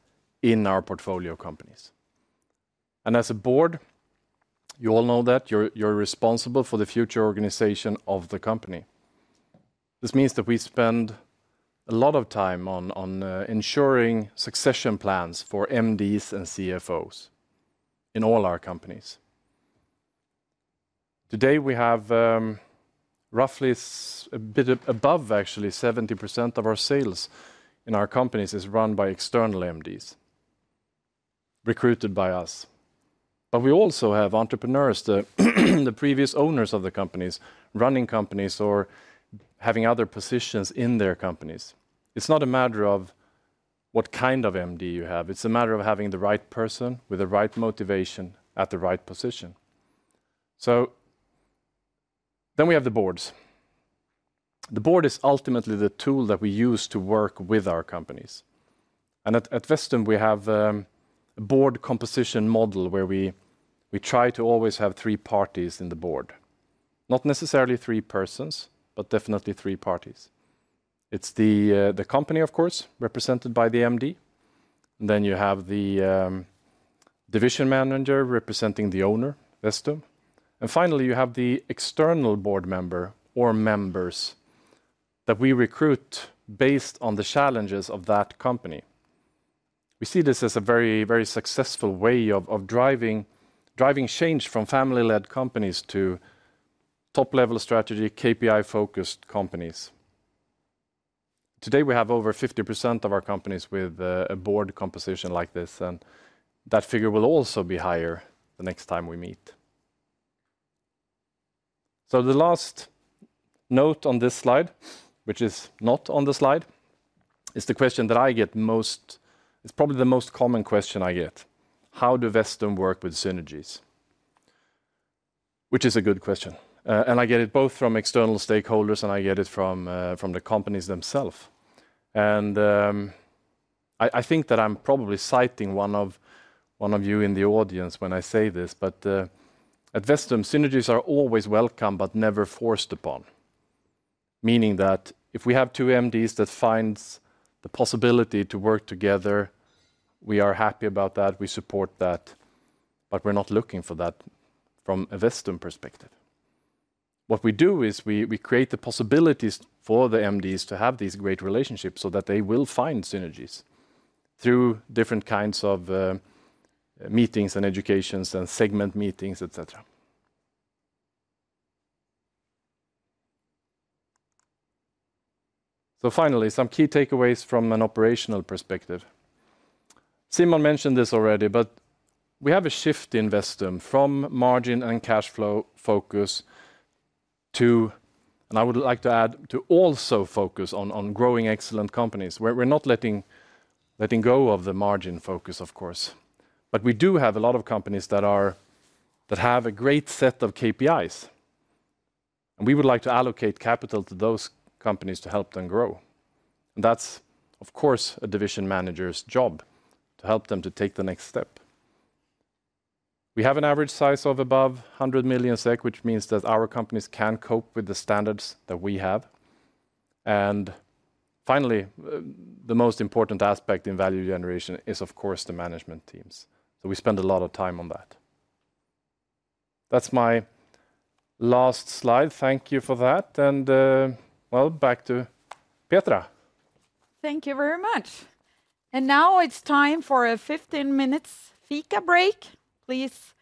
in our portfolio companies. As a board, you all know that you are responsible for the future organization of the company. This means that we spend a lot of time on ensuring succession plans for MDs and CFOs in all our companies. Today, we have roughly a bit above, actually, 70% of our sales in our companies is run by external MDs recruited by us. We also have entrepreneurs, the previous owners of the companies, running companies or having other positions in their companies. It's not a matter of what kind of MD you have. It's a matter of having the right person with the right motivation at the right position. We have the boards. The board is ultimately the tool that we use to work with our companies. At Vestum, we have a board composition model where we try to always have three parties in the board, not necessarily three persons, but definitely three parties. It's the company, of course, represented by the MD. Then you have the division manager representing the owner, Vestum. Finally, you have the external board member or members that we recruit based on the challenges of that company. We see this as a very, very successful way of driving change from family-led companies to top-level strategy, KPI-focused companies. Today, we have over 50% of our companies with a board composition like this, and that figure will also be higher the next time we meet. The last note on this slide, which is not on the slide, is the question that I get most. It's probably the most common question I get. How do Vestum work with synergies? Which is a good question. I get it both from external stakeholders and I get it from the companies themselves. I think that I'm probably citing one of you in the audience when I say this, but at Vestum, synergies are always welcome, but never forced upon, meaning that if we have two MDs that find the possibility to work together, we are happy about that. We support that, but we're not looking for that from a Vestum perspective. What we do is we create the possibilities for the MDs to have these great relationships so that they will find synergies through different kinds of meetings and educations and segment meetings, etc. Finally, some key takeaways from an operational perspective. Simon mentioned this already, but we have a shift in Vestum from margin and cash flow focus to, and I would like to add, to also focus on growing excellent companies. We're not letting go of the margin focus, of course, but we do have a lot of companies that have a great set of KPIs. We would like to allocate capital to those companies to help them grow. That is, of course, a division manager's job to help them to take the next step. We have an average size of above 100 million SEK, which means that our companies can cope with the standards that we have. Finally, the most important aspect in value generation is, of course, the management teams. We spend a lot of time on that. That is my last slide. Thank you for that. Back to Petra. Thank you very much. Now it is time for a 15-minute fika break. Please,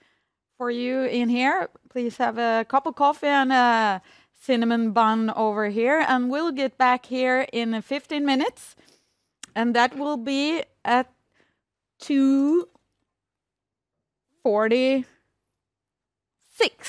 for you in here, please have a cup of coffee and a cinnamon bun over here. We'll get back here in 15 minutes. That will be at 2:46 P.M. Welcome back,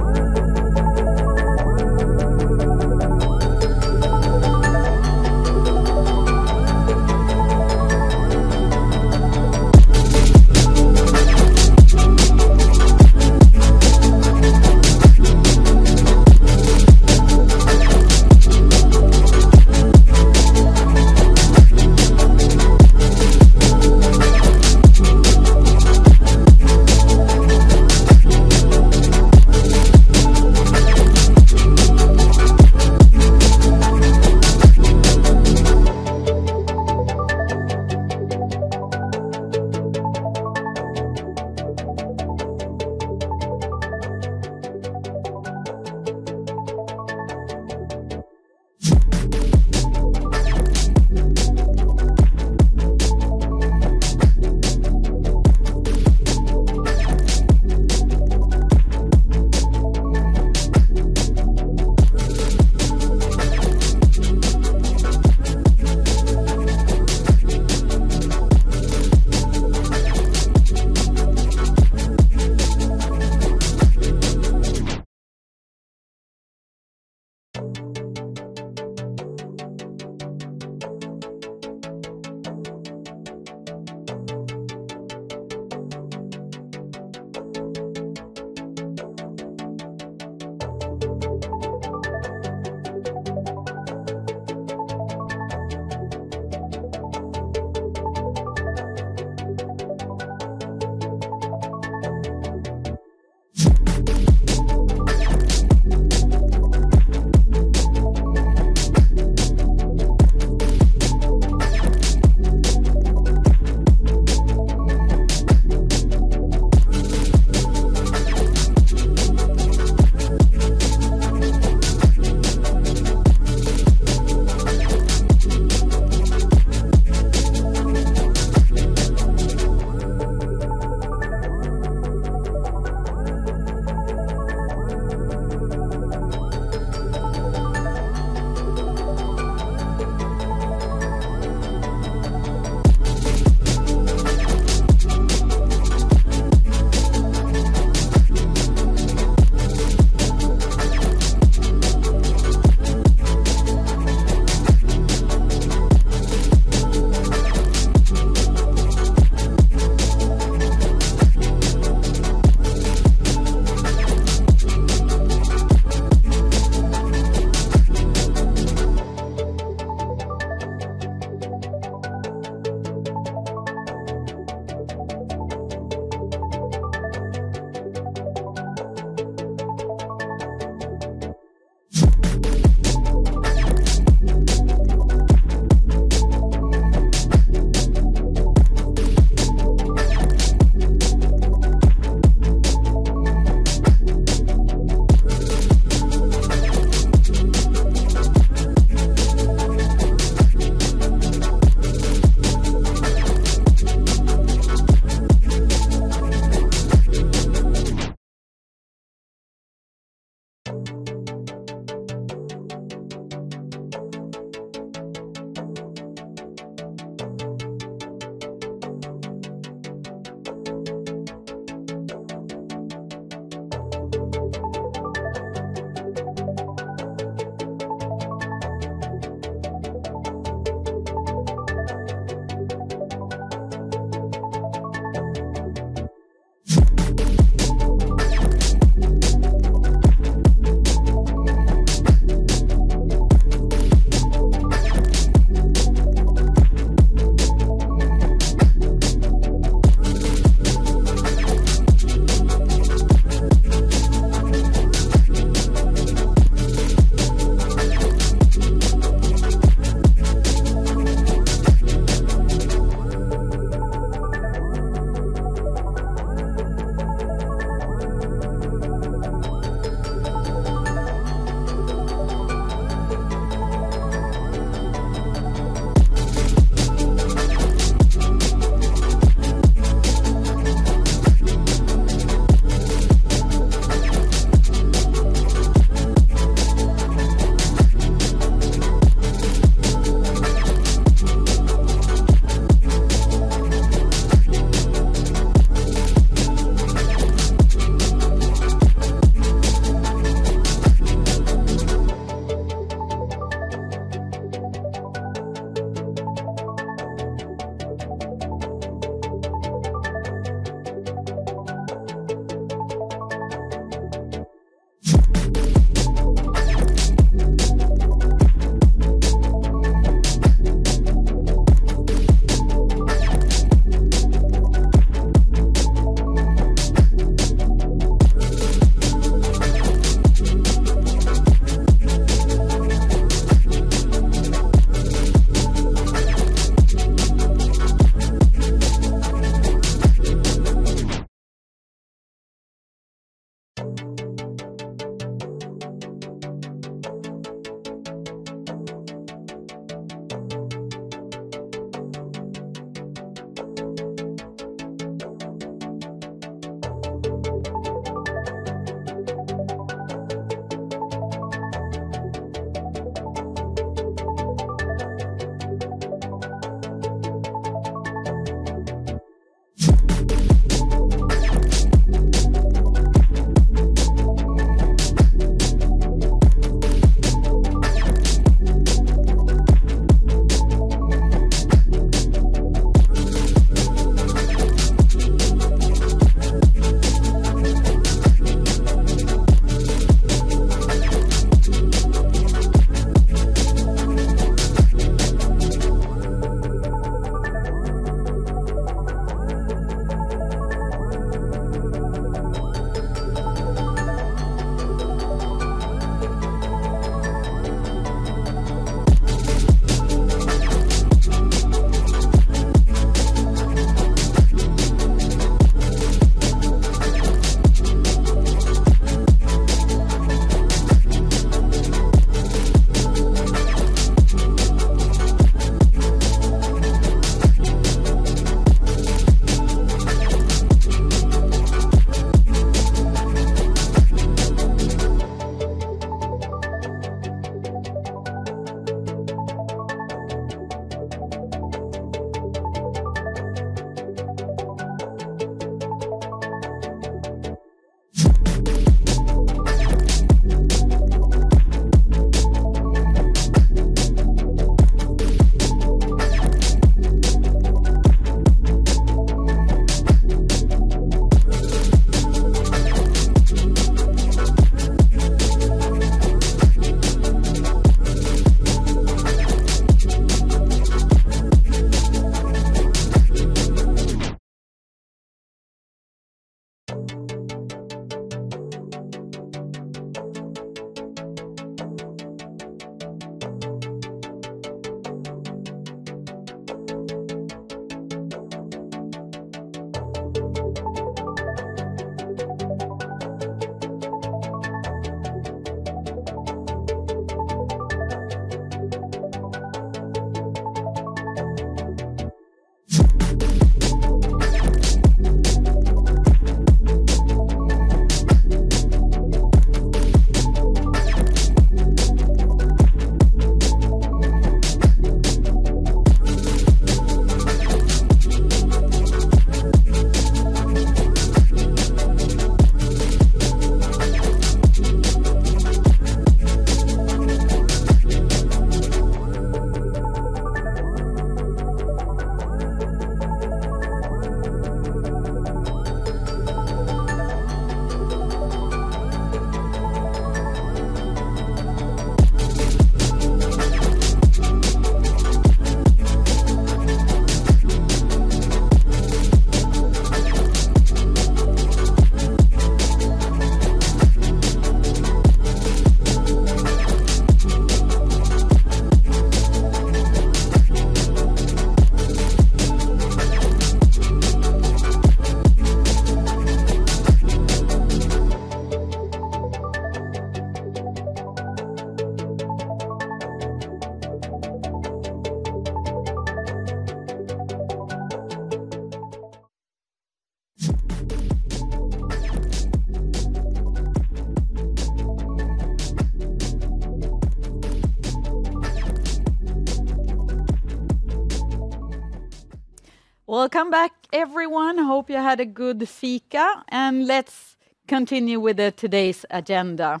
everyone. Hope you had a good fika. Let's continue with today's agenda.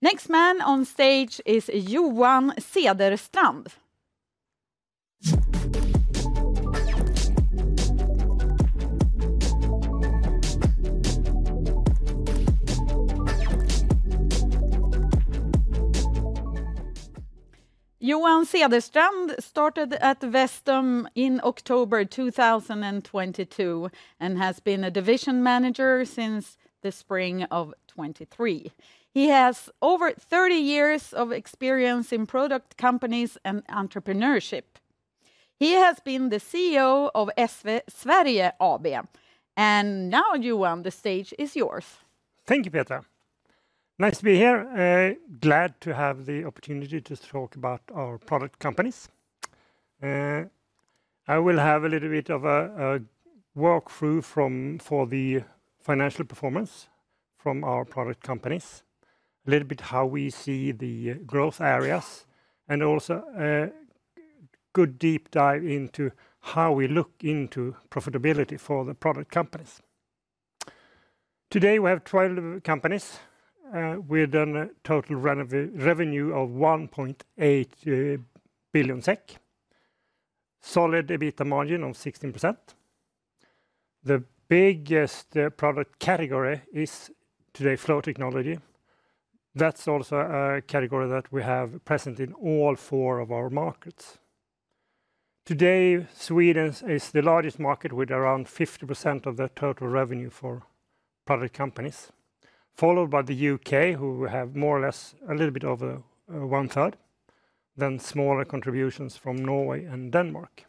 Next man on stage is Johan Cederstrand. Johan Cederstrand started at Vestum in October 2022 and has been a Division Manager since the spring of 2023. He has over 30 years of experience in product companies and entrepreneurship. He has been the CEO of ESSVE Sverige AB. Now, Johan, the stage is yours. Thank you, Petra. Nice to be here. Glad to have the opportunity to talk about our product companies. I will have a little bit of a walkthrough for the financial performance from our product companies, a little bit how we see the growth areas, and also a good deep dive into how we look into profitability for the product companies. Today, we have 12 companies. We've done a total revenue of 1.8 billion SEK, solid EBITDA margin of 16%. The biggest product category is today Flow Technology. That's also a category that we have present in all four of our markets. Today, Sweden is the largest market with around 50% of the total revenue for product companies, followed by the U.K., who have more or less a little bit over one third, then smaller contributions from Norway and Denmark.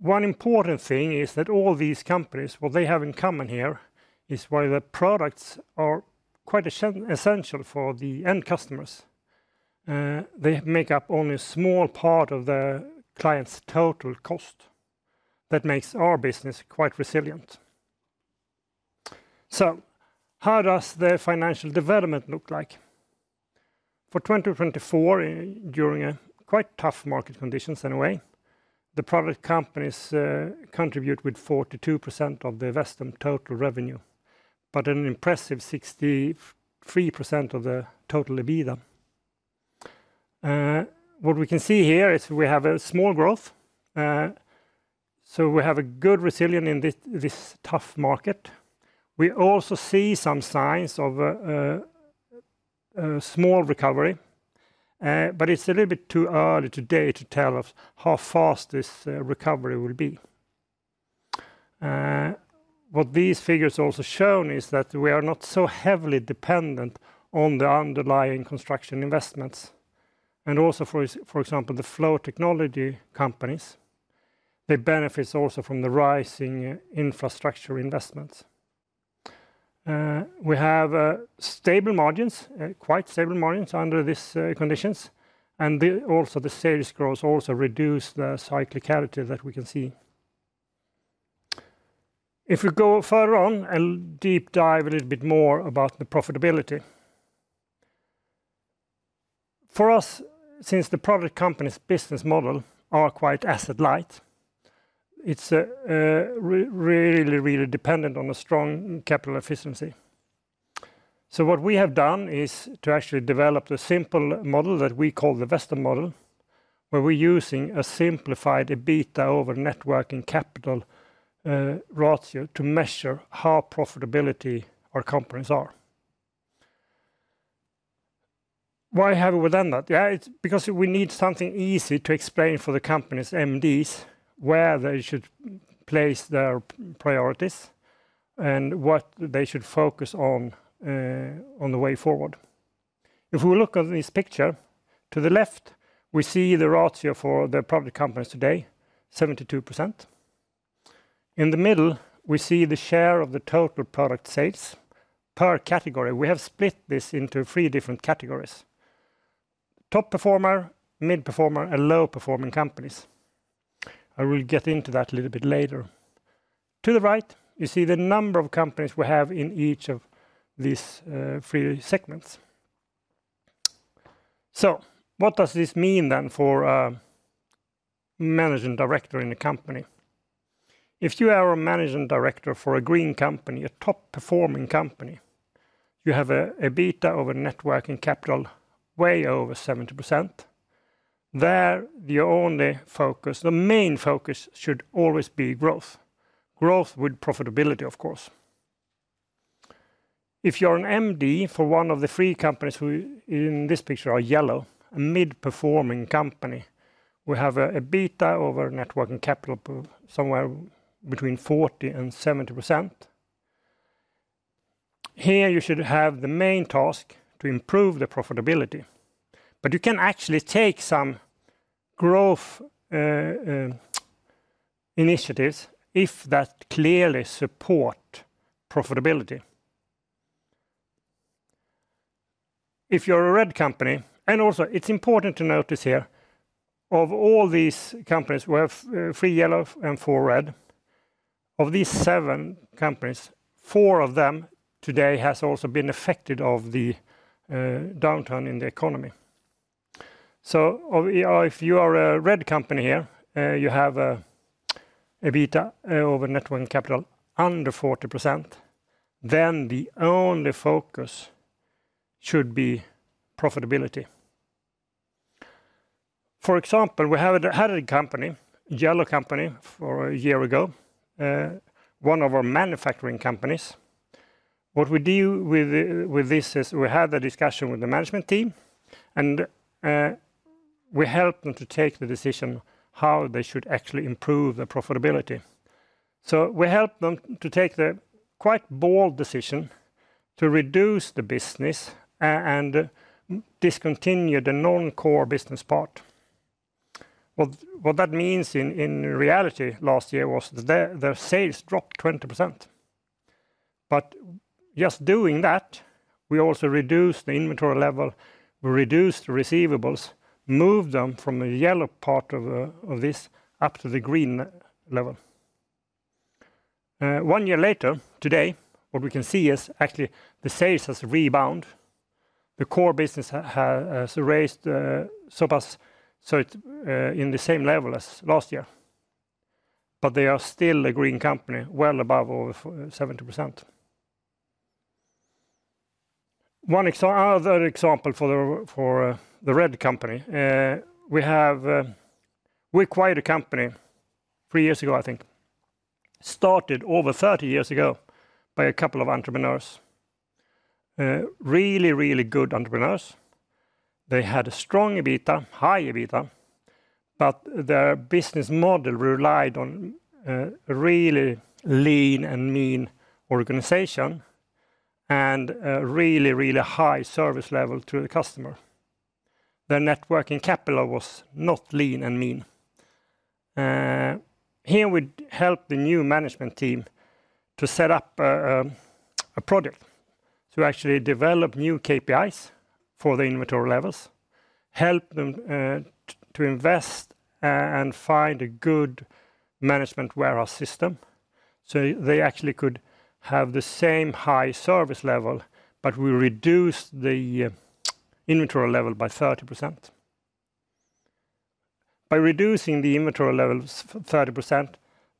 One important thing is that all these companies, what they have in common here is why the products are quite essential for the end customers. They make up only a small part of the client's total cost. That makes our business quite resilient. How does the financial development look like? For 2024, during quite tough market conditions anyway, the product companies contribute with 42% of the Vestum total revenue, but an impressive 63% of the total EBITDA. What we can see here is we have a small growth. We have a good resilience in this tough market. We also see some signs of a small recovery, but it is a little bit too early today to tell us how fast this recovery will be. What these figures also show is that we are not so heavily dependent on the underlying construction investments. For example, the Flow Technology companies benefit also from the rising infrastructure investments. We have stable margins, quite stable margins under these conditions. The sales growth also reduced the cyclicality that we can see. If we go further on and deep dive a little bit more about the profitability. For us, since the product company's business model is quite asset-light, it's really, really dependent on a strong capital efficiency. What we have done is to actually develop a simple model that we call the Vestum model, where we're using a simplified EBITDA over net working capital ratio to measure how profitable our companies are. Why have we done that? Because we need something easy to explain for the company's MDs where they should place their priorities and what they should focus on on the way forward. If we look at this picture to the left, we see the ratio for the product companies today, 72%. In the middle, we see the share of the total product sales per category. We have split this into three different categories: top performer, mid-performer, and low-performing companies. I will get into that a little bit later. To the right, you see the number of companies we have in each of these three segments. What does this mean then for a Managing Director in a company? If you are a Managing Director for a green company, a top-performing company, you have an EBITDA over working capital way over 70%. There, the only focus, the main focus should always be growth, growth with profitability, of course. If you're an MD for one of the three companies who in this picture are yellow, a mid-performing company, we have an EBITDA over working capital somewhere between 40% and 70%. Here, you should have the main task to improve the profitability. You can actually take some growth initiatives if that clearly supports profitability. If you're a red company, and also it's important to notice here, of all these companies, we have three yellow and four red. Of these seven companies, four of them today have also been affected by the downturn in the economy. If you are a red company here, you have an EBITDA over working capital under 40%, then the only focus should be profitability. For example, we had a company, a yellow company for a year ago, one of our manufacturing companies. What we do with this is we have a discussion with the management team, and we help them to take the decision how they should actually improve the profitability. We help them to take the quite bold decision to reduce the business and discontinue the non-core business part. What that means in reality last year was that their sales dropped 20%. Just doing that, we also reduced the inventory level, we reduced the receivables, moved them from the yellow part of this up to the green level. One year later today, what we can see is actually the sales have rebound. The core business has raised so much in the same level as last year. They are still a green company, well above over 70%. One other example for the red company. We acquired a company three years ago, I think, started over 30 years ago by a couple of entrepreneurs, really, really good entrepreneurs. They had a strong EBITDA, high EBITDA, but their business model relied on a really lean and mean organization and a really, really high service level to the customer. Their working capital was not lean and mean. Here, we helped the new management team to set up a project to actually develop new KPIs for the inventory levels, help them to invest and find a good management warehouse system so they actually could have the same high service level, but we reduced the inventory level by 30%. By reducing the inventory level by 30%,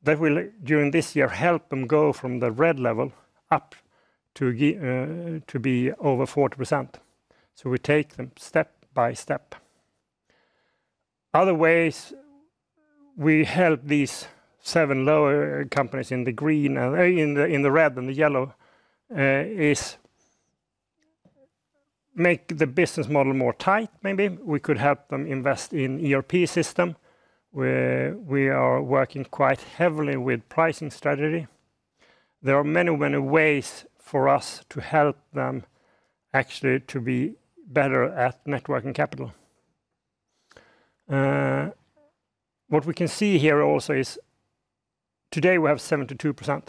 that will, during this year, help them go from the red level up to be over 40%. We take them step by step. Other ways we help these seven lower companies in the green, in the red and the yellow, is make the business model more tight, maybe. We could help them invest in an ERP system. We are working quite heavily with pricing strategy. There are many, many ways for us to help them actually to be better at net working capital. What we can see here also is today we have 72%,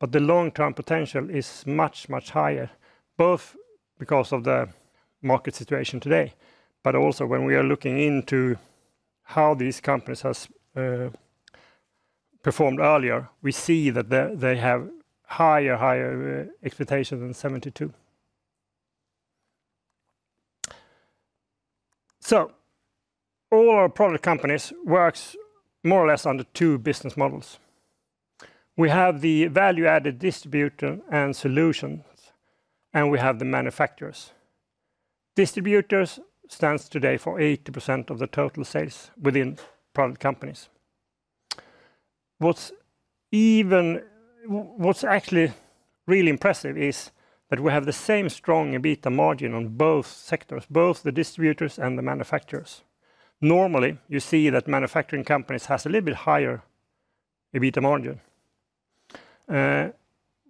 but the long-term potential is much, much higher, both because of the market situation today, but also when we are looking into how these companies have performed earlier, we see that they have higher, higher expectations than 72%. So all our product companies work more or less under two business models. We have the value-added distributor and solutions, and we have the manufacturers. Distributors stand today for 80% of the total sales within product companies. What's actually really impressive is that we have the same strong EBITDA margin on both sectors, both the distributors and the manufacturers. Normally, you see that manufacturing companies have a little bit higher EBITDA margin.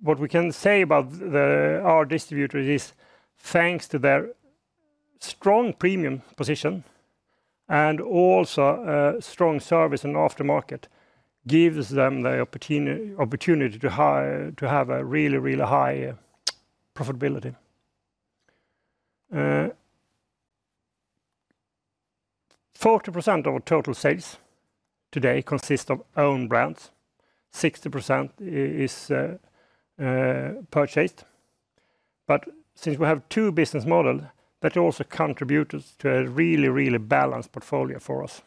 What we can say about our distributors is thanks to their strong premium position and also strong service and aftermarket gives them the opportunity to have a really, really high profitability. 40% of our total sales today consists of own brands. 60% is purchased. Since we have two business models, that also contributes to a really, really balanced portfolio for us.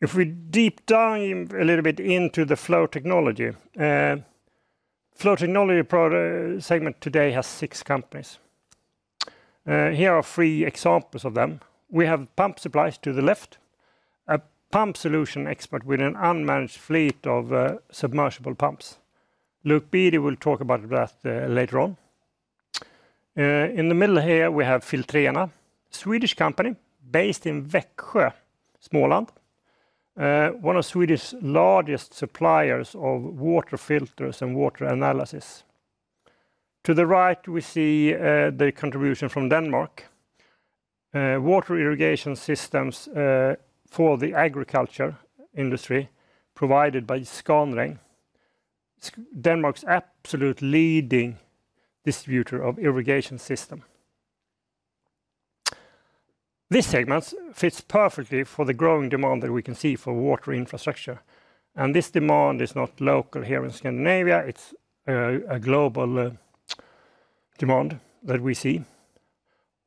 If we deep dive a little bit into the Flow Technology, the Flow Technology segment today has six companies. Here are three examples of them. We have Pump Supplies to the left, a pump solution expert with an unmanaged fleet of submersible pumps. Luke Beattie will talk about that later on. In the middle here, we have Filtrena, a Swedish company based in Växjö, Småland, one of Sweden's largest suppliers of water filters and water analysis. To the right, we see the contribution from Denmark, water irrigation systems for the agriculture industry provided by Skånring, Denmark's absolute leading distributor of irrigation systems. This segment fits perfectly for the growing demand that we can see for water infrastructure. This demand is not local here in Scandinavia. It is a global demand that we see.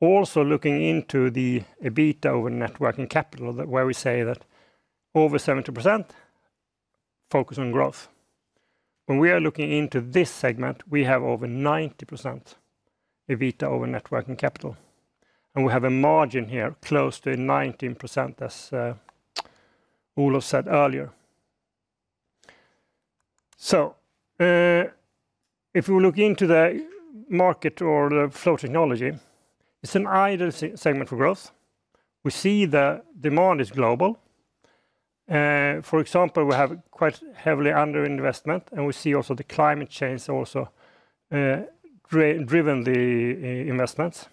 Also looking into the EBITDA over working capital, where we say that over 70% focus on growth. When we are looking into this segment, we have over 90% EBITDA over working capital. We have a margin here close to 19%, as Olof said earlier. If we look into the market or the Flow Technology, it is an ideal segment for growth. We see the demand is global. For example, we have quite heavily under investment, and we see also the climate change has also driven the investments.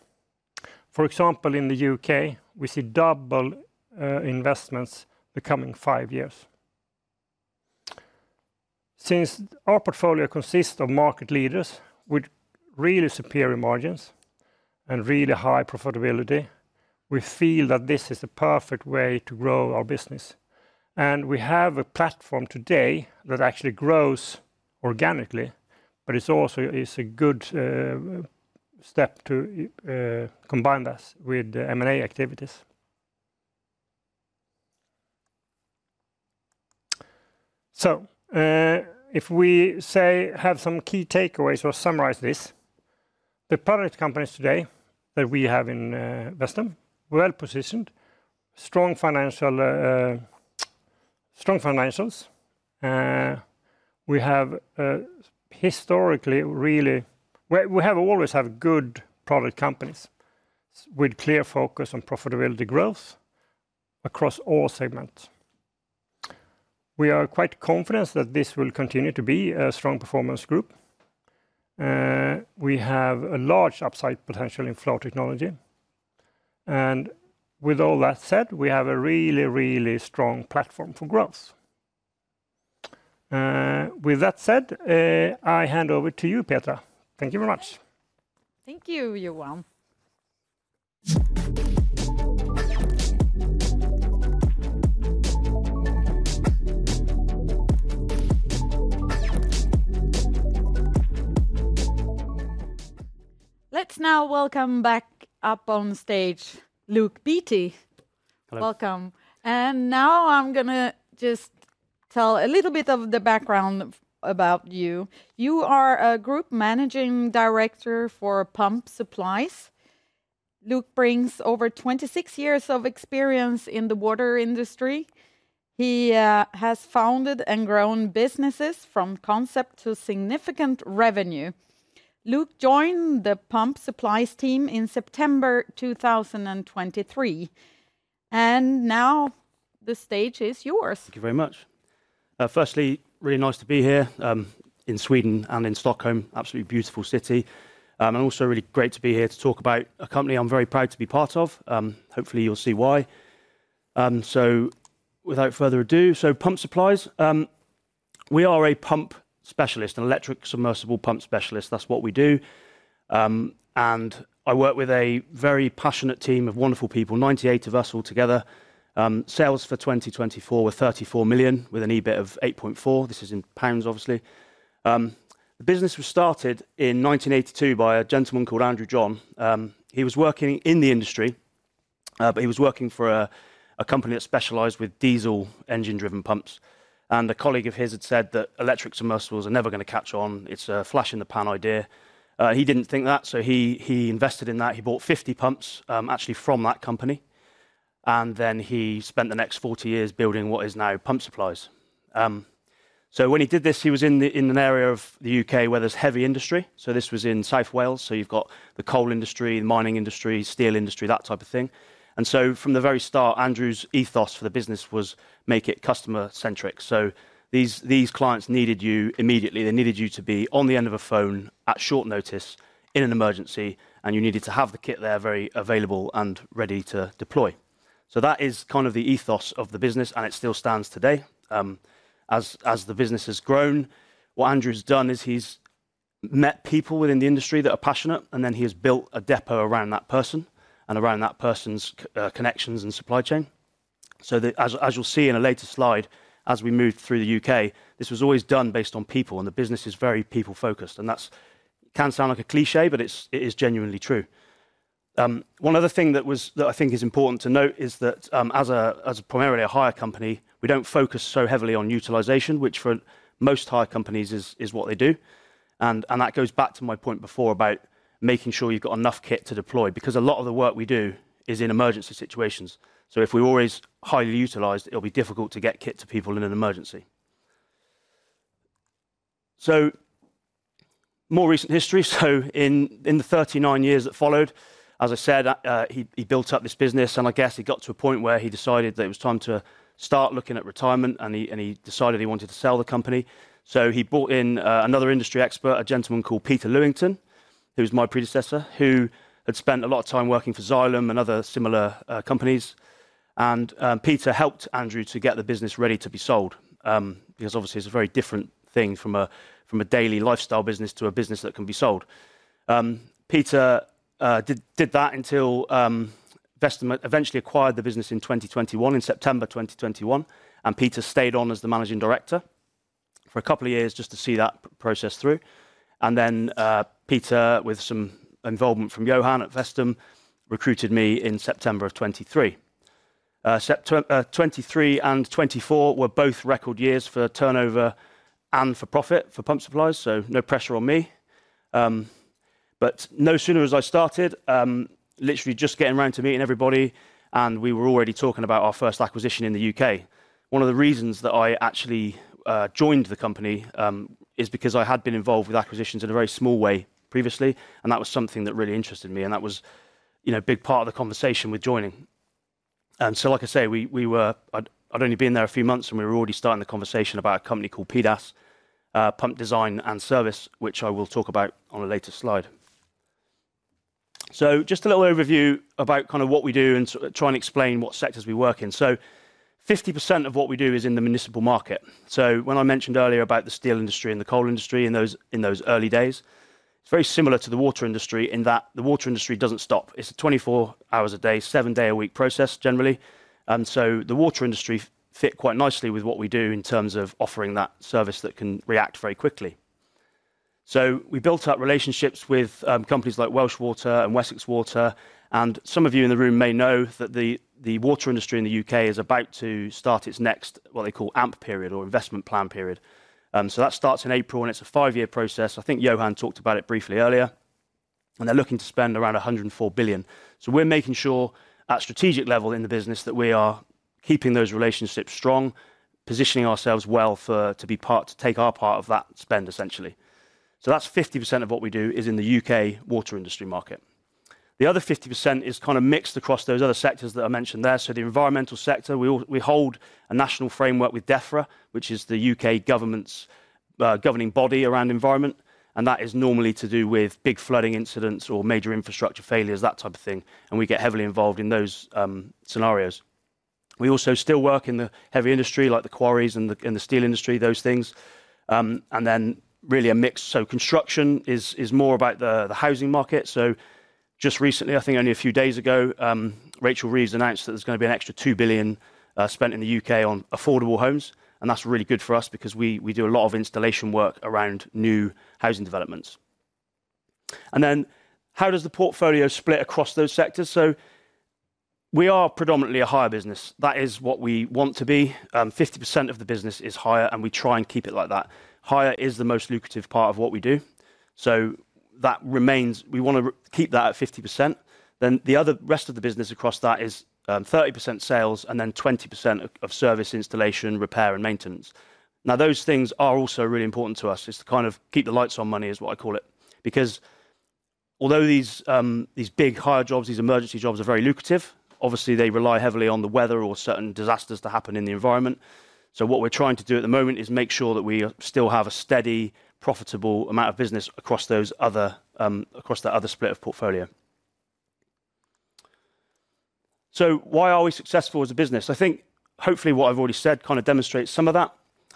For example, in the U.K., we see double investments in the coming five years. Since our portfolio consists of market leaders with really superior margins and really high profitability, we feel that this is a perfect way to grow our business. We have a platform today that actually grows organically, but it is also a good step to combine this with M&A activities. If we say have some key takeaways or summarize this, the product companies today that we have in Vestum are well positioned, strong financials. We have historically really, we have always had good product companies with a clear focus on profitability growth across all segments. We are quite confident that this will continue to be a strong performance group. We have a large upside potential in Flow Technology. With all that said, we have a really, really strong platform for growth. With that said, I hand over to you, Petra. Thank you very much. Thank you, Johan. Let's now welcome back up on stage Luke Beattie. Welcome. Now I'm going to just tell a little bit of the background about you. You are a Group Managing Director for Pump Supplies. Luke brings over 26 years of experience in the water industry. He has founded and grown businesses from concept to significant revenue. Luke joined the Pump Supplies team in September 2023. Now the stage is yours. Thank you very much. Firstly, really nice to be here in Sweden and in Stockholm, absolutely beautiful city. Also really great to be here to talk about a company I'm very proud to be part of. Hopefully, you'll see why. Without further ado, Pump Supplies, we are a pump specialist, an electric submersible pump specialist. That's what we do. I work with a very passionate team of wonderful people, 98 of us altogether. Sales for 2024 were 34 million, with an EBIT of 8.4 million. This is in pounds, obviously. The business was started in 1982 by a gentleman called Andrew John. He was working in the industry, but he was working for a company that specialized with diesel engine-driven pumps. A colleague of his had said that electric submersibles are never going to catch on. It's a flash-in-the-pan idea. He didn't think that, so he invested in that. He bought 50 pumps, actually, from that company. He spent the next 40 years building what is now Pump Supplies. When he did this, he was in an area of the U.K. where there's heavy industry. This was in South Wales. You've got the coal industry, the mining industry, steel industry, that type of thing. From the very start, Andrew's ethos for the business was make it customer-centric. These clients needed you immediately. They needed you to be on the end of a phone at short notice in an emergency, and you needed to have the kit there very available and ready to deploy. That is kind of the ethos of the business, and it still stands today. As the business has grown, what Andrew has done is he's met people within the industry that are passionate, and then he has built a depot around that person and around that person's connections and supply chain. As you'll see in a later slide, as we moved through the U.K., this was always done based on people, and the business is very people-focused. That can sound like a cliché, but it is genuinely true. One other thing that I think is important to note is that as primarily a hire company, we do not focus so heavily on utilization, which for most hire companies is what they do. That goes back to my point before about making sure you have got enough kit to deploy, because a lot of the work we do is in emergency situations. If we are always highly utilized, it will be difficult to get kit to people in an emergency. More recent history. In the 39 years that followed, as I said, he built up this business, and I guess he got to a point where he decided that it was time to start looking at retirement, and he decided he wanted to sell the company. He brought in another industry expert, a gentleman called Peter Lewington, who was my predecessor, who had spent a lot of time working for Xylem and other similar companies. Peter helped Andrew to get the business ready to be sold, because obviously, it is a very different thing from a daily lifestyle business to a business that can be sold. Peter did that until Vestum eventually acquired the business in 2021, in September 2021. Peter stayed on as the Managing Director for a couple of years just to see that process through. Peter, with some involvement from Johan at Vestum, recruited me in September of 2023. 2023 and 2024 were both record years for turnover and for profit for Pump Supplies, so no pressure on me. No sooner as I started, literally just getting around to meeting everybody, we were already talking about our first acquisition in the U.K. One of the reasons that I actually joined the company is because I had been involved with acquisitions in a very small way previously, and that was something that really interested me. That was a big part of the conversation with joining. Like I say, I'd only been there a few months, and we were already starting the conversation about a company called PDAS, Pump Design and Services, which I will talk about on a later slide. Just a little overview about kind of what we do and try and explain what sectors we work in. 50% of what we do is in the municipal market. When I mentioned earlier about the steel industry and the coal industry in those early days, it's very similar to the water industry in that the water industry doesn't stop. It's a 24 hours a day, seven-day-a-week process, generally. The water industry fits quite nicely with what we do in terms of offering that service that can react very quickly. We built up relationships with companies like Welsh Water and Wessex Water. Some of you in the room may know that the water industry in the U.K. is about to start its next, what they call, AMP period or investment plan period. That starts in April, and it's a five-year process. I think Johan talked about it briefly earlier. They are looking to spend around 104 billion. We're making sure at strategic level in the business that we are keeping those relationships strong, positioning ourselves well to take our part of that spend, essentially. That's 50% of what we do is in the U.K. water industry market. The other 50% is kind of mixed across those other sectors that I mentioned there. The environmental sector, we hold a national framework with DEFRA, which is the U.K. government's governing body around environment. That is normally to do with big flooding incidents or major infrastructure failures, that type of thing. We get heavily involved in those scenarios. We also still work in the heavy industry, like the quarries and the steel industry, those things. Then really a mix. Construction is more about the housing market. Just recently, I think only a few days ago, Rachel Reeves announced that there is going to be an extra 2 billion spent in the U.K. on affordable homes. That is really good for us because we do a lot of installation work around new housing developments. How does the portfolio split across those sectors? We are predominantly a hire business. That is what we want to be. 50% of the business is hire, and we try and keep it like that. Hire is the most lucrative part of what we do. We want to keep that at 50%. The rest of the business across that is 30% sales and then 20% of service, installation, repair, and maintenance. Those things are also really important to us. It is to kind of keep the lights on money, is what I call it. Because although these big hire jobs, these emergency jobs are very lucrative, obviously, they rely heavily on the weather or certain disasters to happen in the environment. What we are trying to do at the moment is make sure that we still have a steady, profitable amount of business across the other split of portfolio. Why are we successful as a business? I think hopefully what I have already said kind of demonstrates some of that.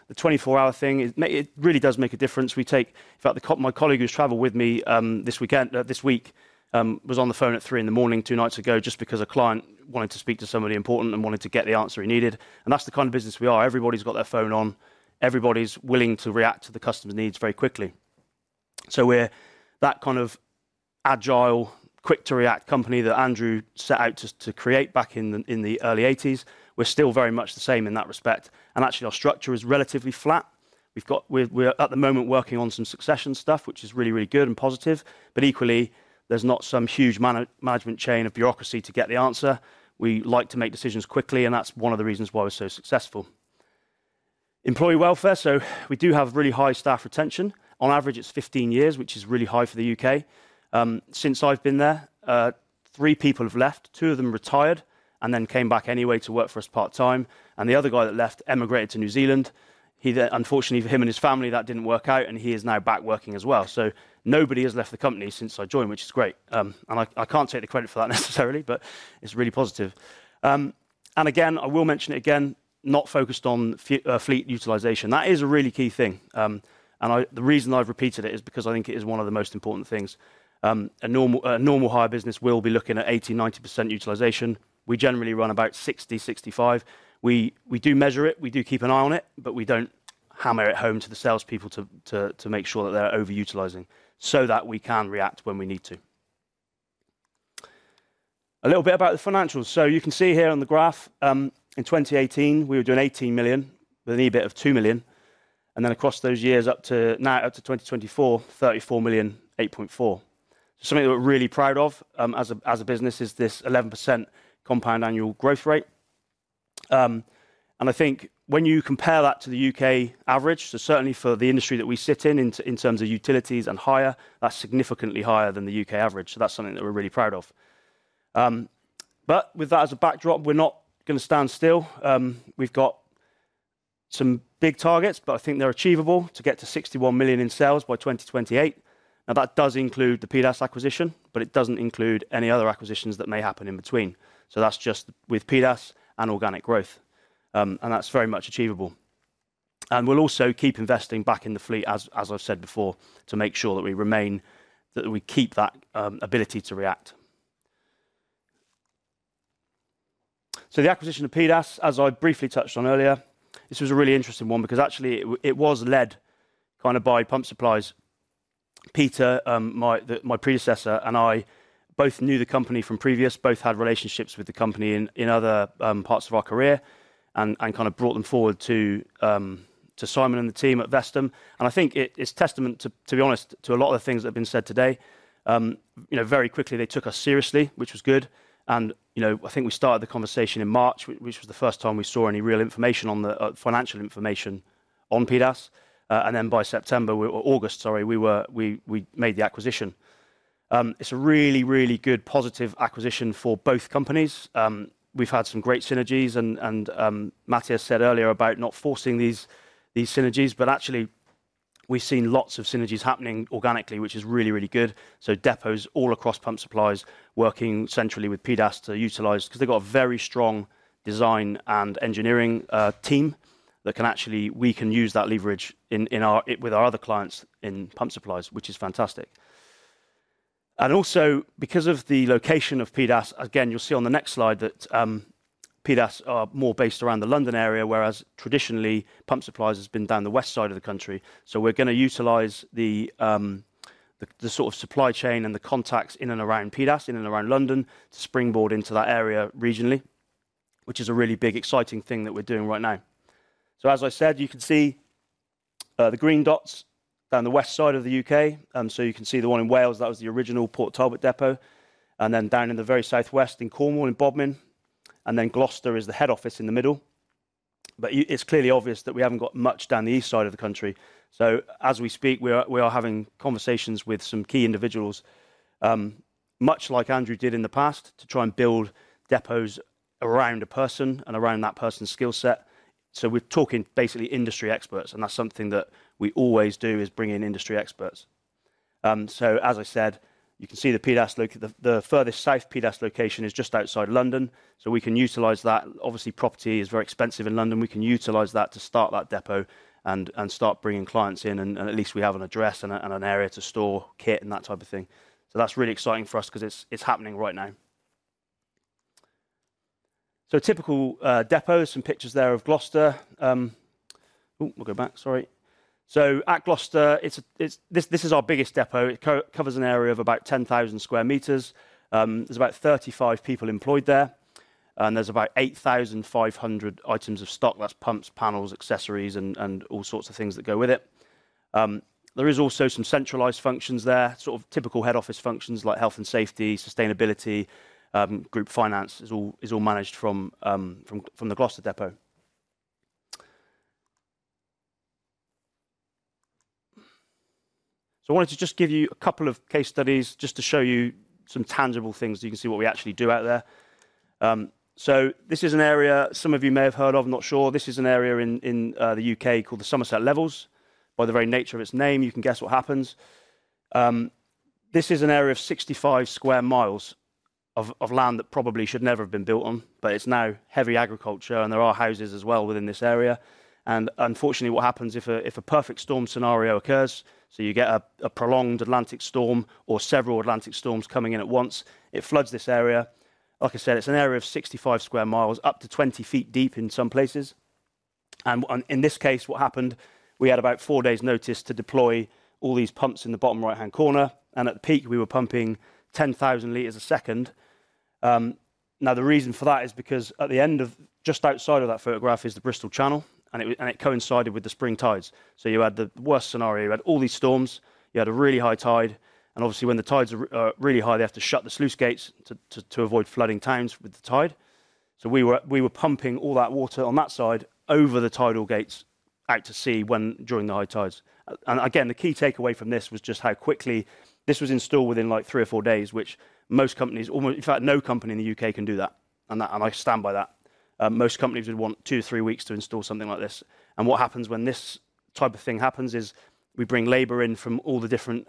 The 24-hour thing, it really does make a difference. My colleague who has traveled with me this week was on the phone at 3:00 A.M. two nights ago just because a client wanted to speak to somebody important and wanted to get the answer he needed. That is the kind of business we are. Everybody has got their phone on. Everybody is willing to react to the customer's needs very quickly. We're that kind of agile, quick-to-react company that Andrew set out to create back in the early 1980s. We're still very much the same in that respect. Actually, our structure is relatively flat. We're at the moment working on some succession stuff, which is really, really good and positive. Equally, there's not some huge management chain of bureaucracy to get the answer. We like to make decisions quickly, and that's one of the reasons why we're so successful. Employee welfare. We do have really high staff retention. On average, it's 15 years, which is really high for the U.K. Since I've been there, three people have left. Two of them retired and then came back anyway to work for us part-time. The other guy that left emigrated to New Zealand. Unfortunately, for him and his family, that did not work out, and he is now back working as well. Nobody has left the company since I joined, which is great. I cannot take the credit for that necessarily, but it is really positive. Again, I will mention it, not focused on fleet utilization. That is a really key thing. The reason I have repeated it is because I think it is one of the most important things. A normal hire business will be looking at 80%-90% utilization. We generally run about 60%-65%. We do measure it. We do keep an eye on it, but we do not hammer it home to the salespeople to make sure that they are overutilizing so that we can react when we need to. A little bit about the financials. You can see here on the graph, in 2018, we were doing 18 million, with an EBIT of 2 million. Across those years up to now, up to 2024, 34 million, 8.4 million. Something that we are really proud of as a business is this 11% compound annual growth rate. I think when you compare that to the U.K. average, certainly for the industry that we sit in, in terms of utilities and hire, that is significantly higher than the U.K. average. That is something that we are really proud of. With that as a backdrop, we are not going to stand still. We have some big targets, but I think they are achievable to get to 61 million in sales by 2028. That does include the PDAS acquisition, but it does not include any other acquisitions that may happen in between. That is just with PDAS and organic growth. That is very much achievable. We will also keep investing back in the fleet, as I said before, to make sure that we keep that ability to react. The acquisition of PDAS, as I briefly touched on earlier, was a really interesting one because actually it was led kind of by Pump Supplies. Peter, my predecessor, and I both knew the company from previous, both had relationships with the company in other parts of our career, and kind of brought them forward to Simon and the team at Vestum. I think it is testament, to be honest, to a lot of the things that have been said today. Very quickly, they took us seriously, which was good. I think we started the conversation in March, which was the first time we saw any real information on the financial information on PDAS. By September, or August, sorry, we made the acquisition. It is a really, really good, positive acquisition for both companies. We have had some great synergies. Mattias said earlier about not forcing these synergies, but actually we have seen lots of synergies happening organically, which is really, really good. Depots all across Pump Supplies are working centrally with PDAS to utilize, because they have a very strong design and engineering team that can actually, we can use that leverage with our other clients in Pump Supplies, which is fantastic. Also, because of the location of PDAS, again, you'll see on the next slide that PDAS are more based around the London area, whereas traditionally, Pump Supplies has been down the west side of the country. We're going to utilize the sort of supply chain and the contacts in and around PDAS, in and around London, to springboard into that area regionally, which is a really big, exciting thing that we're doing right now. As I said, you can see the green dots down the west side of the U.K. You can see the one in Wales, that was the original Port Talbot depot. Down in the very southwest in Cornwall and Bodmin. Gloucester is the head office in the middle. It's clearly obvious that we haven't got much down the east side of the country. As we speak, we are having conversations with some key individuals, much like Andrew did in the past, to try and build depots around a person and around that person's skill set. We are talking basically industry experts. That is something that we always do, bring in industry experts. As I said, you can see the PDAS, the furthest south PDAS location is just outside London. We can utilize that. Obviously, property is very expensive in London. We can utilize that to start that depot and start bringing clients in. At least we have an address and an area to store kit and that type of thing. That is really exciting for us because it is happening right now. Typical depots, some pictures there of Gloucester. Oh, we will go back, sorry. At Gloucester, this is our biggest depot. It covers an area of about 10,000 sq m. There's about 35 people employed there. And there's about 8,500 items of stock. That's pumps, panels, accessories, and all sorts of things that go with it. There is also some centralized functions there, sort of typical head office functions like health and safety, sustainability, group finance is all managed from the Gloucester depot. I wanted to just give you a couple of case studies just to show you some tangible things so you can see what we actually do out there. This is an area some of you may have heard of, not sure. This is an area in the U.K. called the Somerset Levels. By the very nature of its name, you can guess what happens. This is an area of 65 sq mi of land that probably should never have been built on, but it's now heavy agriculture. There are houses as well within this area. Unfortunately, what happens if a perfect storm scenario occurs, you get a prolonged Atlantic storm or several Atlantic storms coming in at once, it floods this area. Like I said, it's an area of 65 sq mi, up to 20 ft deep in some places. In this case, what happened, we had about four days' notice to deploy all these pumps in the bottom right-hand corner. At the peak, we were pumping 10,000 liters a second. The reason for that is because at the end of just outside of that photograph is the Bristol Channel. It coincided with the spring tides. You had the worst scenario. You had all these storms. You had a really high tide. Obviously, when the tides are really high, they have to shut the sluice gates to avoid flooding towns with the tide. We were pumping all that water on that side over the tidal gates out to sea during the high tides. The key takeaway from this was just how quickly this was installed within like three or four days, which most companies, in fact, no company in the U.K. can do that. I stand by that. Most companies would want two or three weeks to install something like this. What happens when this type of thing happens is we bring labor in from all the different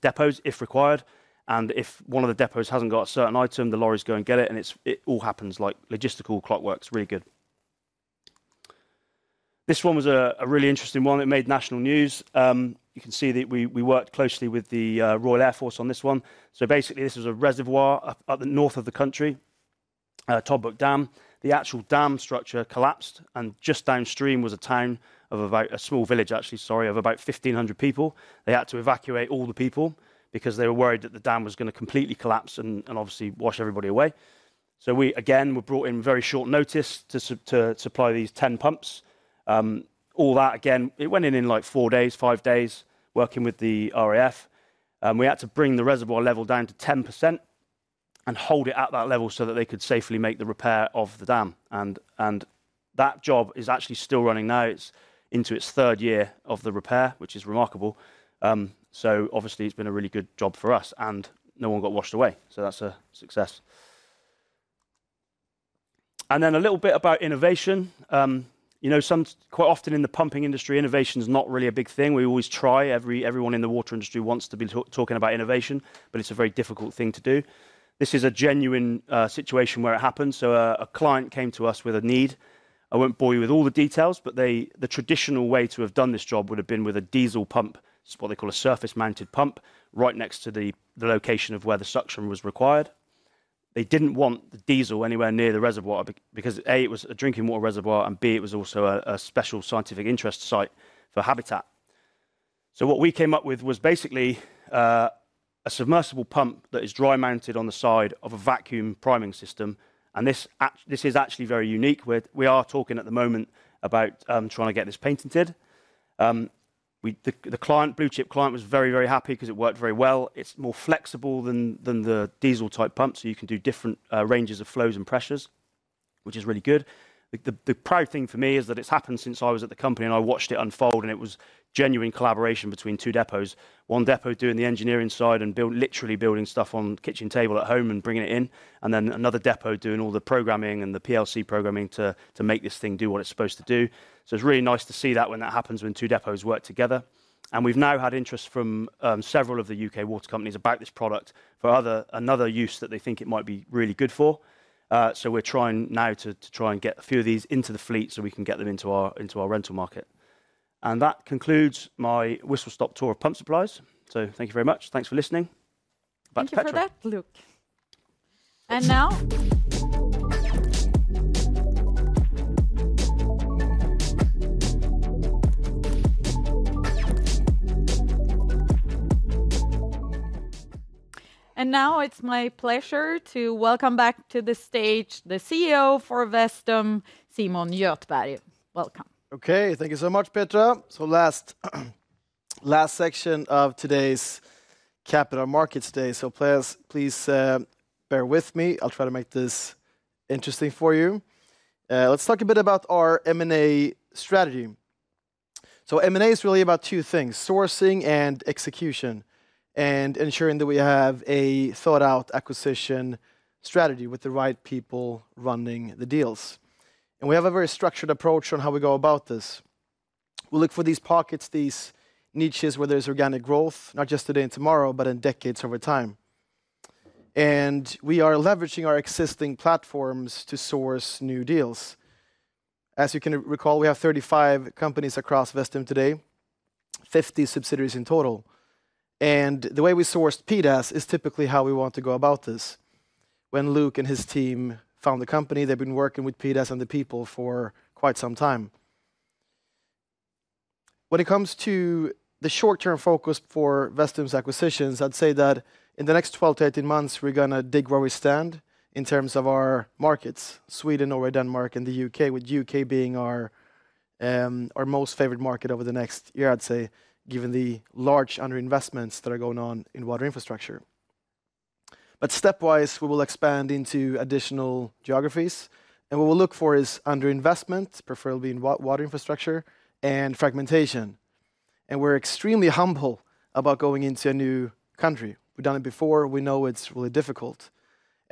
depots, if required. If one of the depots has not got a certain item, the lorries go and get it. It all happens like logistical clockwork. It is really good. This one was a really interesting one. It made national news. You can see that we worked closely with the Royal Air Force on this one. Basically, this was a reservoir up north of the country, Toddbrook Dam. The actual dam structure collapsed. Just downstream was a small village, actually, of about 1,500 people. They had to evacuate all the people because they were worried that the dam was going to completely collapse and obviously wash everybody away. We, again, were brought in on very short notice to supply these 10 pumps. All that, again, went in in like four days, five days, working with the RAF. We had to bring the reservoir level down to 10% and hold it at that level so that they could safely make the repair of the dam. That job is actually still running now. It's into its third year of the repair, which is remarkable. Obviously, it's been a really good job for us. No one got washed away, so that's a success. A little bit about innovation. Quite often in the pumping industry, innovation is not really a big thing. We always try. Everyone in the water industry wants to be talking about innovation, but it's a very difficult thing to do. This is a genuine situation where it happened. A client came to us with a need. I won't bore you with all the details, but the traditional way to have done this job would have been with a diesel pump. It's what they call a surface-mounted pump right next to the location of where the suction was required. They did not want the diesel anywhere near the reservoir because, A, it was a drinking water reservoir, and B, it was also a special scientific interest site for habitat. What we came up with was basically a submersible pump that is dry-mounted on the side of a vacuum priming system. This is actually very unique. We are talking at the moment about trying to get this patented. The Blue Chip client was very, very happy because it worked very well. It is more flexible than the diesel-type pump, so you can do different ranges of flows and pressures, which is really good. The proud thing for me is that it has happened since I was at the company and I watched it unfold, and it was genuine collaboration between two depots. One depot doing the engineering side and literally building stuff on the kitchen table at home and bringing it in. Another depot doing all the programming and the PLC programming to make this thing do what it's supposed to do. It is really nice to see that when that happens, when two depots work together. We have now had interest from several of the U.K. water companies about this product for another use that they think it might be really good for. We are trying now to try and get a few of these into the fleet so we can get them into our rental market. That concludes my whistle-stop tour of Pump Supplies. Thank you very much. Thanks for listening. Thank you for that look. Now it is my pleasure to welcome back to the stage the CEO for Vestum, Simon Göthberg. Welcome. Okay, thank you so much, Petra. Last section of today's Capital Markets Day. Please bear with me. I'll try to make this interesting for you. Let's talk a bit about our M&A strategy. M&A is really about two things: sourcing and execution, and ensuring that we have a thought-out acquisition strategy with the right people running the deals. We have a very structured approach on how we go about this. We look for these pockets, these niches where there's organic growth, not just today and tomorrow, but in decades over time. We are leveraging our existing platforms to source new deals. As you can recall, we have 35 companies across Vestum today, 50 subsidiaries in total. The way we sourced PDAS is typically how we want to go about this. When Luke and his team found the company, they've been working with PDAS and the people for quite some time. When it comes to the short-term focus for Vestum's acquisitions, I'd say that in the next 12 to 18 months, we're going to dig where we stand in terms of our markets: Sweden, Norway, Denmark, and the U.K., with the U.K. being our most favorite market over the next year, I'd say, given the large underinvestments that are going on in water infrastructure. Step-wise, we will expand into additional geographies. What we'll look for is underinvestment, preferably in water infrastructure, and fragmentation. We're extremely humble about going into a new country. We've done it before. We know it's really difficult.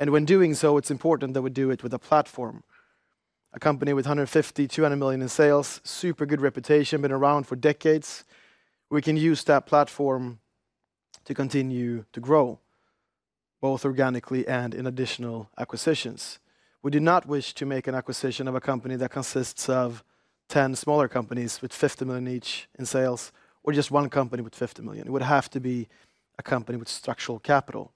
When doing so, it's important that we do it with a platform. A company with 150 million-200 million in sales, super good reputation, been around for decades, we can use that platform to continue to grow, both organically and in additional acquisitions. We do not wish to make an acquisition of a company that consists of 10 smaller companies with 50 million each in sales or just one company with 50 million. It would have to be a company with structural capital.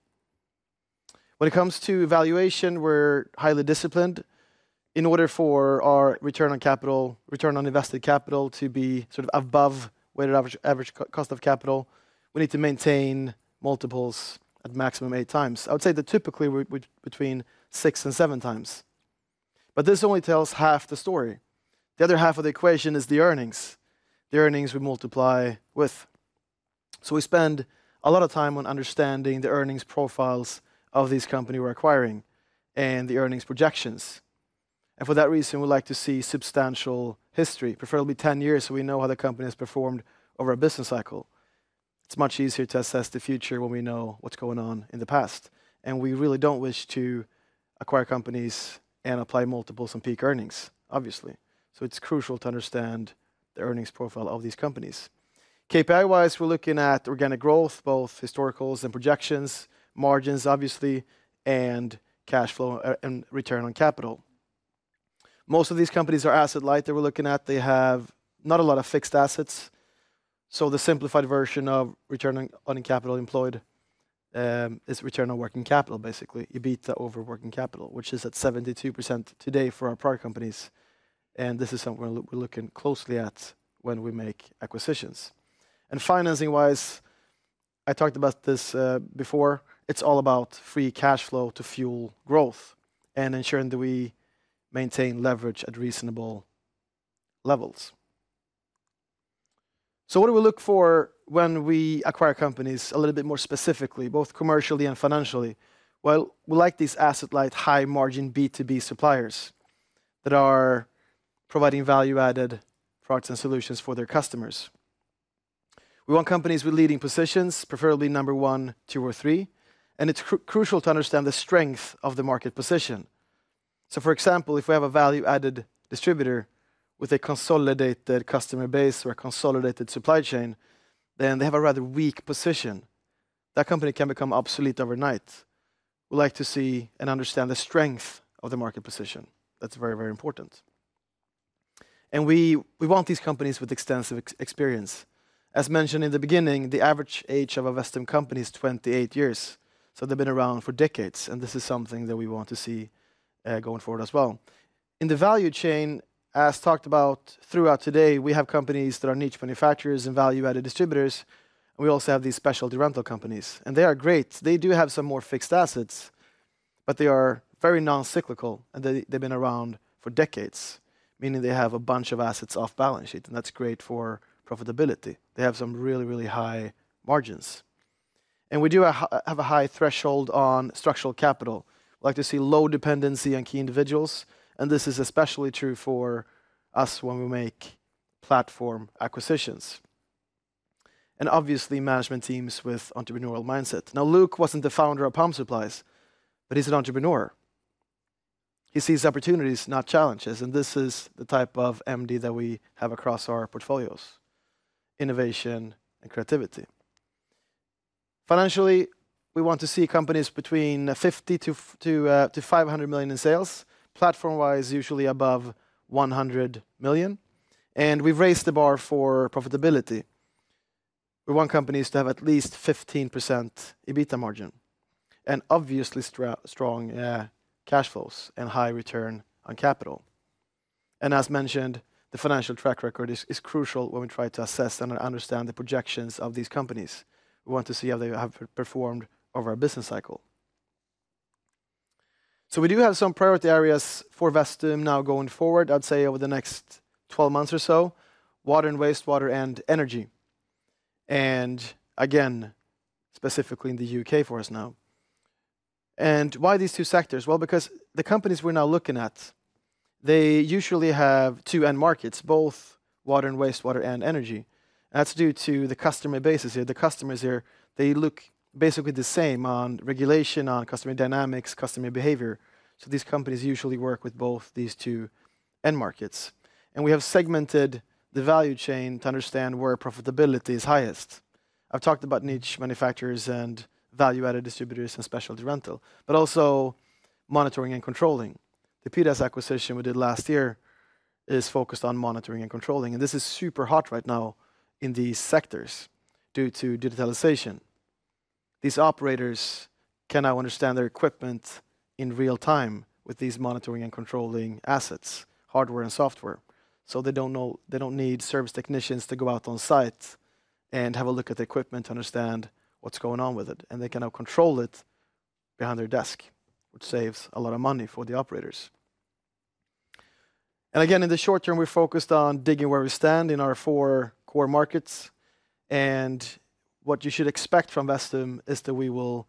When it comes to evaluation, we're highly disciplined. In order for our return on capital, return on invested capital to be sort of above weighted average cost of capital, we need to maintain multiples at maximum eight times. I would say that typically we're between six and seven times. This only tells half the story. The other half of the equation is the earnings. The earnings we multiply with. We spend a lot of time on understanding the earnings profiles of these companies we're acquiring and the earnings projections. For that reason, we'd like to see substantial history, preferably 10 years, so we know how the company has performed over a business cycle. It's much easier to assess the future when we know what's going on in the past. We really don't wish to acquire companies and apply multiples on peak earnings, obviously. It's crucial to understand the earnings profile of these companies. KPI-wise, we're looking at organic growth, both historicals and projections, margins, obviously, and cash flow and return on capital. Most of these companies are asset-light that we're looking at. They have not a lot of fixed assets. The simplified version of return on capital employed is return on working capital, basically. EBITDA over working capital, which is at 72% today for our prior companies. This is something we're looking closely at when we make acquisitions. Financing-wise, I talked about this before. It's all about free cash flow to fuel growth and ensuring that we maintain leverage at reasonable levels. What do we look for when we acquire companies a little bit more specifically, both commercially and financially? We like these asset-light, high-margin B2B suppliers that are providing value-added products and solutions for their customers. We want companies with leading positions, preferably number one, two, or three. It's crucial to understand the strength of the market position. For example, if we have a value-added distributor with a consolidated customer base or a consolidated supply chain, then they have a rather weak position. That company can become obsolete overnight. We like to see and understand the strength of the market position. That's very, very important. We want these companies with extensive experience. As mentioned in the beginning, the average age of a Vestum company is 28 years. They've been around for decades. This is something that we want to see going forward as well. In the value chain, as talked about throughout today, we have companies that are niche manufacturers and value-added distributors. We also have these specialty rental companies. They are great. They do have some more fixed assets, but they are very non-cyclical. They've been around for decades, meaning they have a bunch of assets off balance sheet. That's great for profitability. They have some really, really high margins. We do have a high threshold on structural capital. We like to see low dependency on key individuals. This is especially true for us when we make platform acquisitions. Obviously, management teams with entrepreneurial mindset. Now, Luke was not the founder of Pump Supplies, but he is an entrepreneur. He sees opportunities, not challenges. This is the type of MD that we have across our portfolios: innovation and creativity. Financially, we want to see companies between 50 million-500 million in sales. Platform-wise, usually above 100 million. We have raised the bar for profitability. We want companies to have at least 15% EBITDA margin and obviously strong cash flows and high return on capital. As mentioned, the financial track record is crucial when we try to assess and understand the projections of these companies. We want to see how they have performed over our business cycle. We do have some priority areas for Vestum now going forward, I'd say over the next 12 months or so: water and wastewater and energy. Again, specifically in the U.K. for us now. Why these two sectors? Because the companies we're now looking at usually have two end markets, both water and wastewater and energy. That's due to the customer bases here. The customers here look basically the same on regulation, on customer dynamics, customer behavior. These companies usually work with both these two end markets. We have segmented the value chain to understand where profitability is highest. I've talked about niche manufacturers and value-added distributors and specialty rental, but also monitoring and controlling. The PDAS acquisition we did last year is focused on monitoring and controlling. This is super hot right now in these sectors due to digitalization. These operators can now understand their equipment in real time with these monitoring and controlling assets, hardware and software. They do not need service technicians to go out on site and have a look at the equipment to understand what is going on with it. They can now control it behind their desk, which saves a lot of money for the operators. Again, in the short term, we are focused on digging where we stand in our four core markets. What you should expect from Vestum is that we will,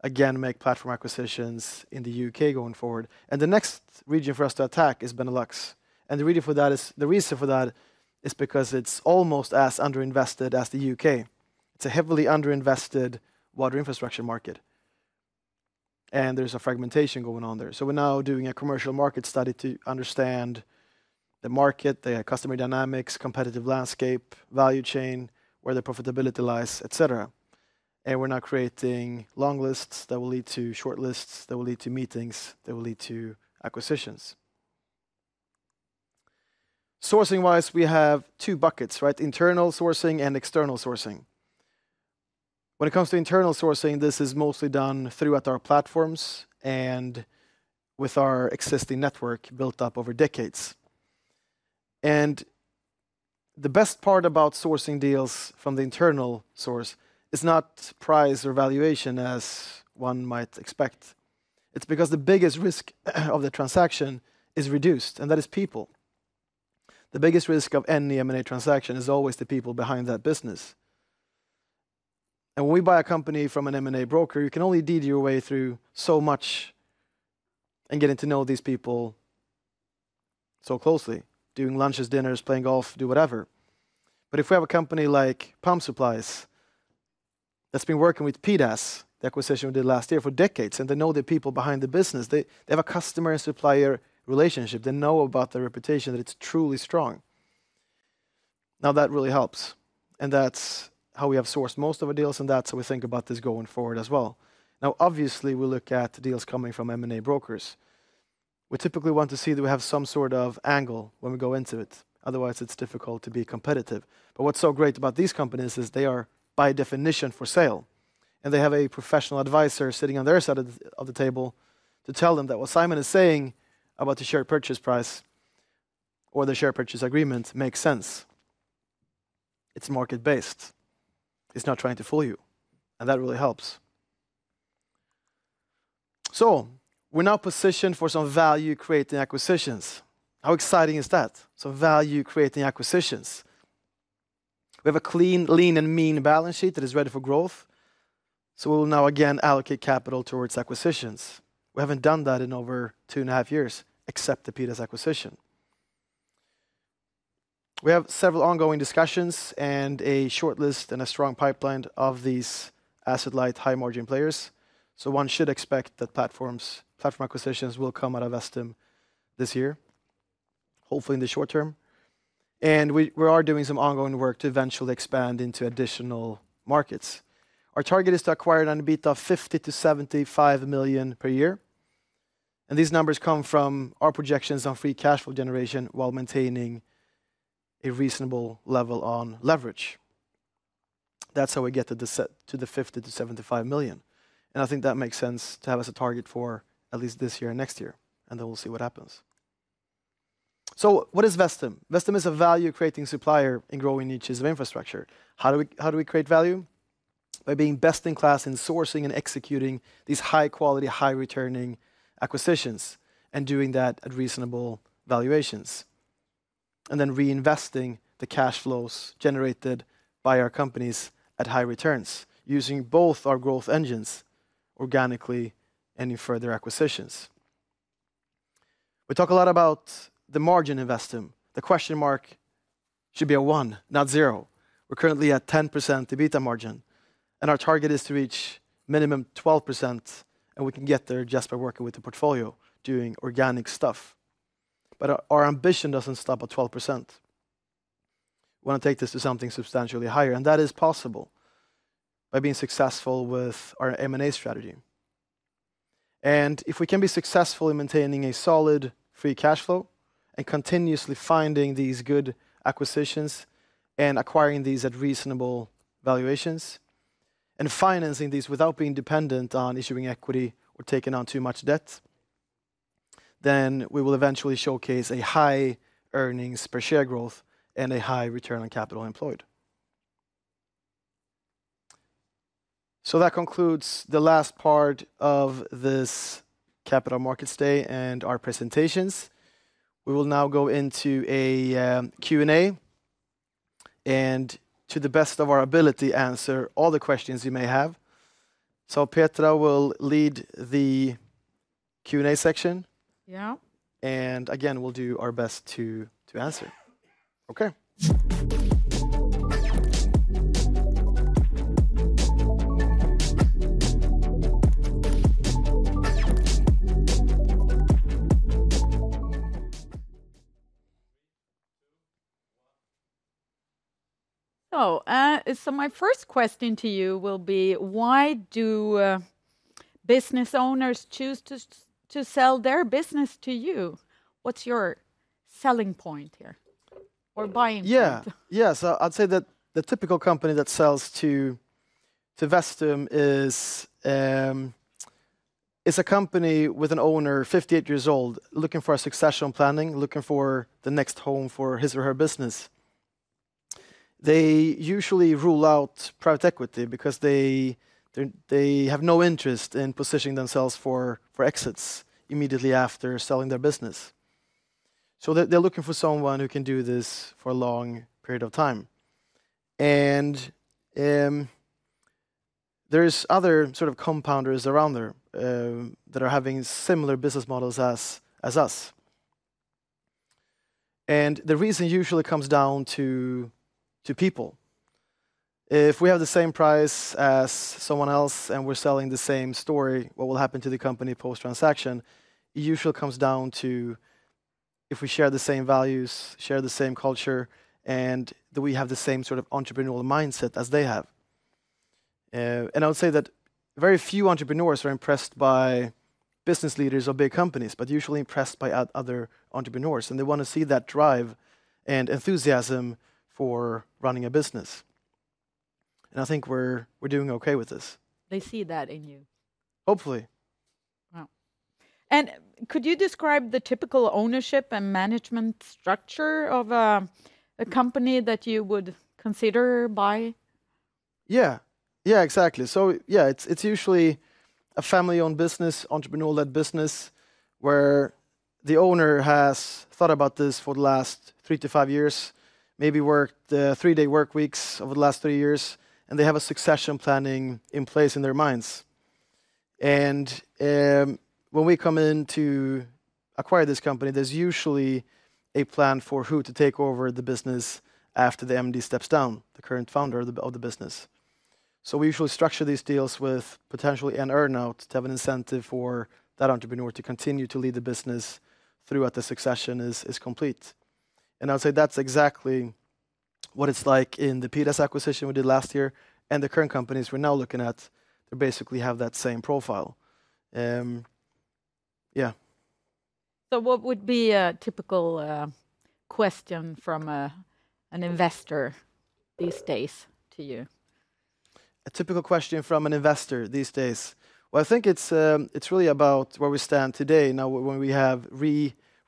again, make platform acquisitions in the U.K. going forward. The next region for us to attack is Benelux. The reason for that is because it is almost as underinvested as the U.K. It is a heavily underinvested water infrastructure market. There is a fragmentation going on there. We're now doing a commercial market study to understand the market, the customer dynamics, competitive landscape, value chain, where the profitability lies, etc. We're now creating long lists that will lead to short lists that will lead to meetings that will lead to acquisitions. Sourcing-wise, we have two buckets, right? Internal sourcing and external sourcing. When it comes to internal sourcing, this is mostly done throughout our platforms and with our existing network built up over decades. The best part about sourcing deals from the internal source is not price or valuation as one might expect. It's because the biggest risk of the transaction is reduced, and that is people. The biggest risk of any M&A transaction is always the people behind that business. When we buy a company from an M&A broker, you can only dig your way through so much and get to know these people so closely, doing lunches, dinners, playing golf, do whatever. If we have a company like Pump Supplies that's been working with PDAS, the acquisition we did last year for decades, and they know the people behind the business, they have a customer and supplier relationship. They know about the reputation that it's truly strong. That really helps. That's how we have sourced most of our deals, and that's how we think about this going forward as well. Obviously, we look at deals coming from M&A brokers. We typically want to see that we have some sort of angle when we go into it. Otherwise, it's difficult to be competitive. What is so great about these companies is they are by definition for sale. They have a professional advisor sitting on their side of the table to tell them that what Simon is saying about the share purchase price or the share purchase agreement makes sense. It is market-based. It is not trying to fool you. That really helps. We are now positioned for some value-creating acquisitions. How exciting is that? Some value-creating acquisitions. We have a clean, lean, and mean balance sheet that is ready for growth. We will now again allocate capital towards acquisitions. We have not done that in over two and a half years, except the PDAS acquisition. We have several ongoing discussions and a shortlist and a strong pipeline of these asset-light, high-margin players. One should expect that platform acquisitions will come out of Vestum this year, hopefully in the short term. We are doing some ongoing work to eventually expand into additional markets. Our target is to acquire an EBITDA of 50 million-75 million per year. These numbers come from our projections on free cash flow generation while maintaining a reasonable level on leverage. That is how we get to the 50 million-75 million. I think that makes sense to have as a target for at least this year and next year. We will see what happens. What is Vestum? Vestum is a value-creating supplier in growing niches of infrastructure. How do we create value? By being best in class in sourcing and executing these high-quality, high-returning acquisitions and doing that at reasonable valuations. We then reinvest the cash flows generated by our companies at high returns using both our growth engines organically and in further acquisitions. We talk a lot about the margin in Vestum. The question mark should be a one, not zero. We're currently at 10% EBITDA margin. Our target is to reach minimum 12%. We can get there just by working with the portfolio, doing organic stuff. Our ambition doesn't stop at 12%. We want to take this to something substantially higher. That is possible by being successful with our M&A strategy. If we can be successful in maintaining a solid free cash flow and continuously finding these good acquisitions and acquiring these at reasonable valuations and financing these without being dependent on issuing equity or taking on too much debt, we will eventually showcase a high earnings per share growth and a high return on capital employed. That concludes the last part of this capital markets day and our presentations. We will now go into a Q&A and, to the best of our ability, answer all the questions you may have. Petra will lead the Q&A section. Yeah. We'll do our best to answer. Okay. My first question to you will be, why do business owners choose to sell their business to you? What's your selling point here or buying point? Yeah. Yeah. I'd say that the typical company that sells to Vestum is a company with an owner, 58 years old, looking for succession planning, looking for the next home for his or her business. They usually rule out private equity because they have no interest in positioning themselves for exits immediately after selling their business. They're looking for someone who can do this for a long period of time. There are other sort of compounders around there that are having similar business models as us. The reason usually comes down to people. If we have the same price as someone else and we're selling the same story, what will happen to the company post-transaction? It usually comes down to if we share the same values, share the same culture, and that we have the same sort of entrepreneurial mindset as they have. I would say that very few entrepreneurs are impressed by business leaders of big companies, but usually impressed by other entrepreneurs. They want to see that drive and enthusiasm for running a business. I think we're doing okay with this. They see that in you. Hopefully. Wow. Could you describe the typical ownership and management structure of a company that you would consider buying? Yeah. Yeah, exactly. Yeah, it's usually a family-owned business, entrepreneur-led business, where the owner has thought about this for the last three to five years, maybe worked three-day work weeks over the last three years, and they have a succession planning in place in their minds. When we come in to acquire this company, there's usually a plan for who to take over the business after the MD steps down, the current founder of the business. We usually structure these deals with potentially an earn-out to have an incentive for that entrepreneur to continue to lead the business throughout the succession is complete. I'd say that's exactly what it's like in the PDAS acquisition we did last year. The current companies we're now looking at, they basically have that same profile. Yeah. What would be a typical question from an investor these days to you? A typical question from an investor these days? I think it's really about where we stand today. Now, when we have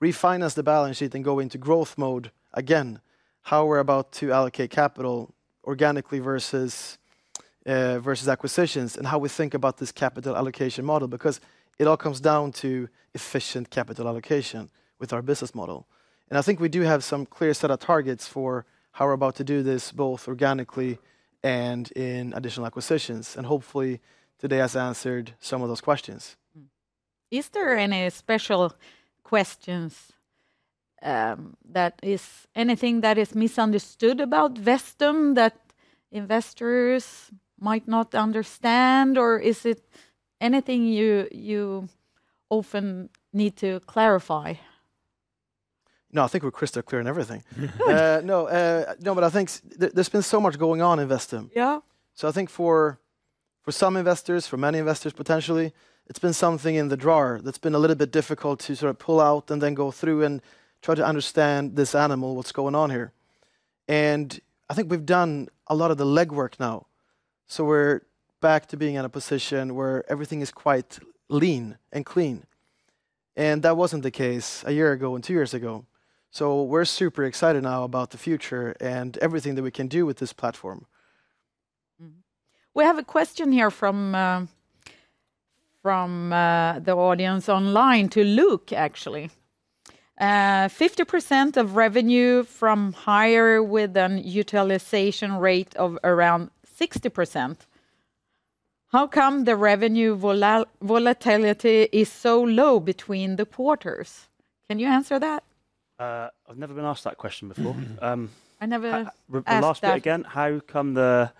refinanced the balance sheet and go into growth mode again, how we're about to allocate capital organically versus acquisitions and how we think about this capital allocation model, because it all comes down to efficient capital allocation with our business model. I think we do have some clear set of targets for how we're about to do this, both organically and in additional acquisitions. Hopefully, today has answered some of those questions. Is there any special questions? Is there anything that is misunderstood about Vestum that investors might not understand, or is it anything you often need to clarify? No, I think we're crystal clear on everything. No, I think there's been so much going on in Vestum. Yeah. I think for some investors, for many investors potentially, it's been something in the drawer that's been a little bit difficult to sort of pull out and then go through and try to understand this animal, what's going on here. I think we've done a lot of the legwork now. We're back to being in a position where everything is quite lean and clean. That wasn't the case a year ago and two years ago. We're super excited now about the future and everything that we can do with this platform. We have a question here from the audience online to Luke, actually. 50% of revenue from hire with a utilization rate of around 60%. How come the revenue volatility is so low between the quarters? Can you answer that? I've never been asked that question before. Never Ask it again. How come the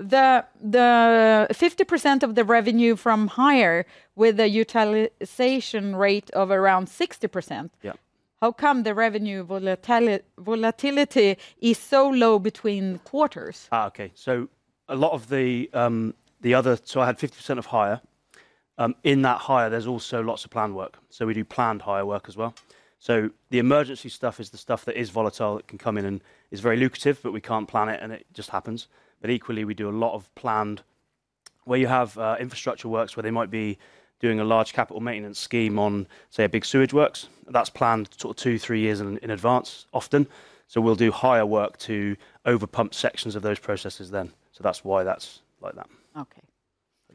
50% of the revenue from hire with a utilization rate of around 60%? How come the revenue volatility is so low between quarters? Okay. A lot of the other, so I had 50% of hire. In that hire, there's also lots of planned work. We do planned hire work as well. The emergency stuff is the stuff that is volatile, that can come in and is very lucrative, but we can't plan it and it just happens. Equally, we do a lot of planned, where you have infrastructure works where they might be doing a large capital maintenance scheme on, say, a big sewage works, that's planned sort of two, three years in advance often. We'll do hire work to overpump sections of those processes then. That's why that's like that. Okay.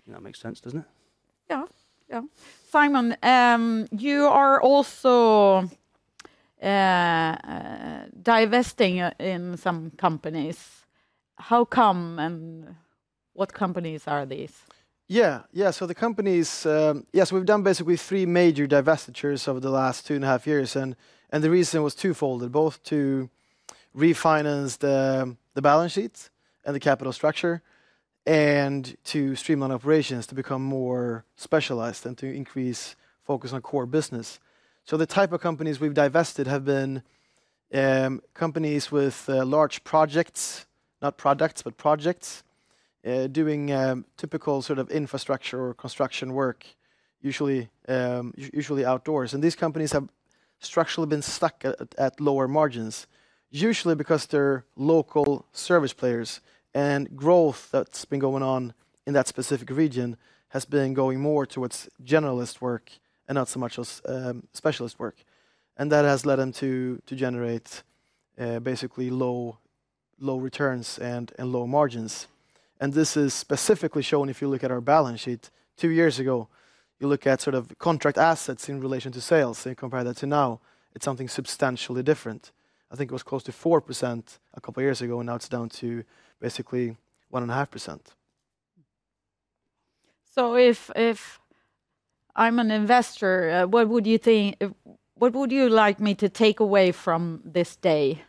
That makes sense, doesn't it? Yeah. Yeah. Simon, you are also divesting in some companies. How come and what companies are these? Yeah. Yeah. So the companies, yeah, so we've done basically three major divestitures over the last two and a half years. The reason was twofold, both to refinance the balance sheets and the capital structure and to streamline operations, to become more specialized and to increase focus on core business. The type of companies we've divested have been companies with large projects, not products, but projects, doing typical sort of infrastructure or construction work, usually outdoors. These companies have structurally been stuck at lower margins, usually because they're local service players. Growth that's been going on in that specific region has been going more towards generalist work and not so much specialist work. That has led them to generate basically low returns and low margins. This is specifically shown if you look at our balance sheet two years ago. You look at sort of contract assets in relation to sales. Compare that to now, it's something substantially different. I think it was close to 4% a couple of years ago, and now it's down to basically 1.5%. If I'm an investor, what would you think? What would you like me to take away from this day?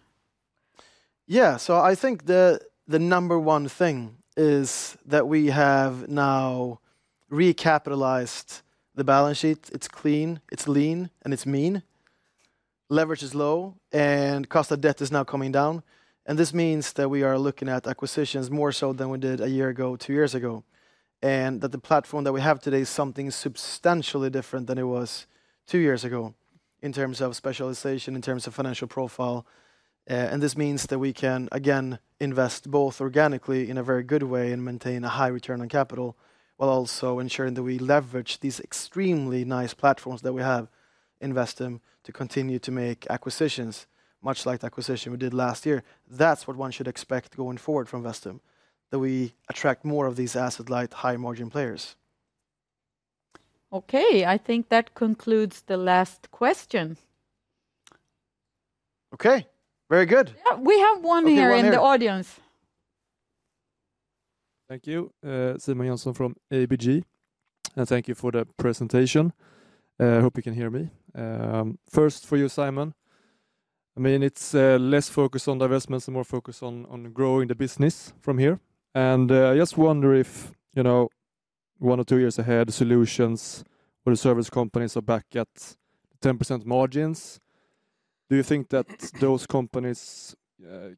Yeah. I think the number one thing is that we have now recapitalized the balance sheet. It's clean, it's lean, and it's mean. Leverage is low, and cost of debt is now coming down. This means that we are looking at acquisitions more so than we did a year ago, two years ago, and that the platform that we have today is something substantially different than it was two years ago in terms of specialization, in terms of financial profile. This means that we can, again, invest both organically in a very good way and maintain a high return on capital while also ensuring that we leverage these extremely nice platforms that we have in Vestum to continue to make acquisitions, much like the acquisition we did last year. That is what one should expect going forward from Vestum, that we attract more of these asset-light, high-margin players. Okay. I think that concludes the last question. Okay. Very good. Yeah. We have one here in the audience. Thank you. Simon Jansson from ABG. And thank you for the presentation. I hope you can hear me. First for you, Simon. I mean, it's less focus on divestments, more focus on growing the business from here. I just wonder if one or two years ahead, solutions or the service companies are back at 10% margins. Do you think that those companies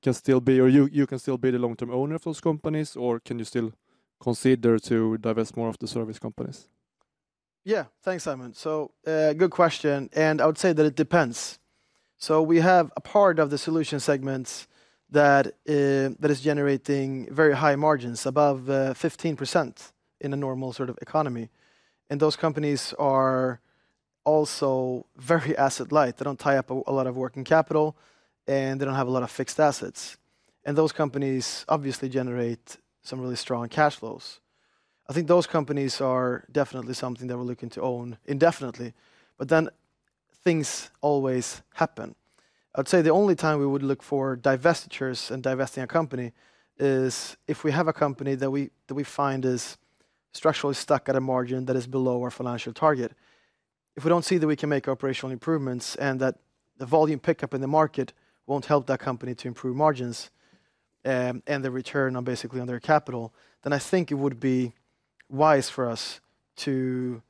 can still be, or you can still be the long-term owner of those companies, or can you still consider to divest more of the service companies? Yeah. Thanks, Simon. Good question. I would say that it depends. We have a part of the Solutions segment that is generating very high margins, above 15% in a normal sort of economy. Those companies are also very asset-light. They don't tie up a lot of working capital, and they don't have a lot of fixed assets. Those companies obviously generate some really strong cash flows. I think those companies are definitely something that we're looking to own indefinitely. Things always happen. I would say the only time we would look for divestitures and divesting a company is if we have a company that we find is structurally stuck at a margin that is below our financial target. If we do not see that we can make operational improvements and that the volume pickup in the market will not help that company to improve margins and the return on basically on their capital, I think it would be wise for us to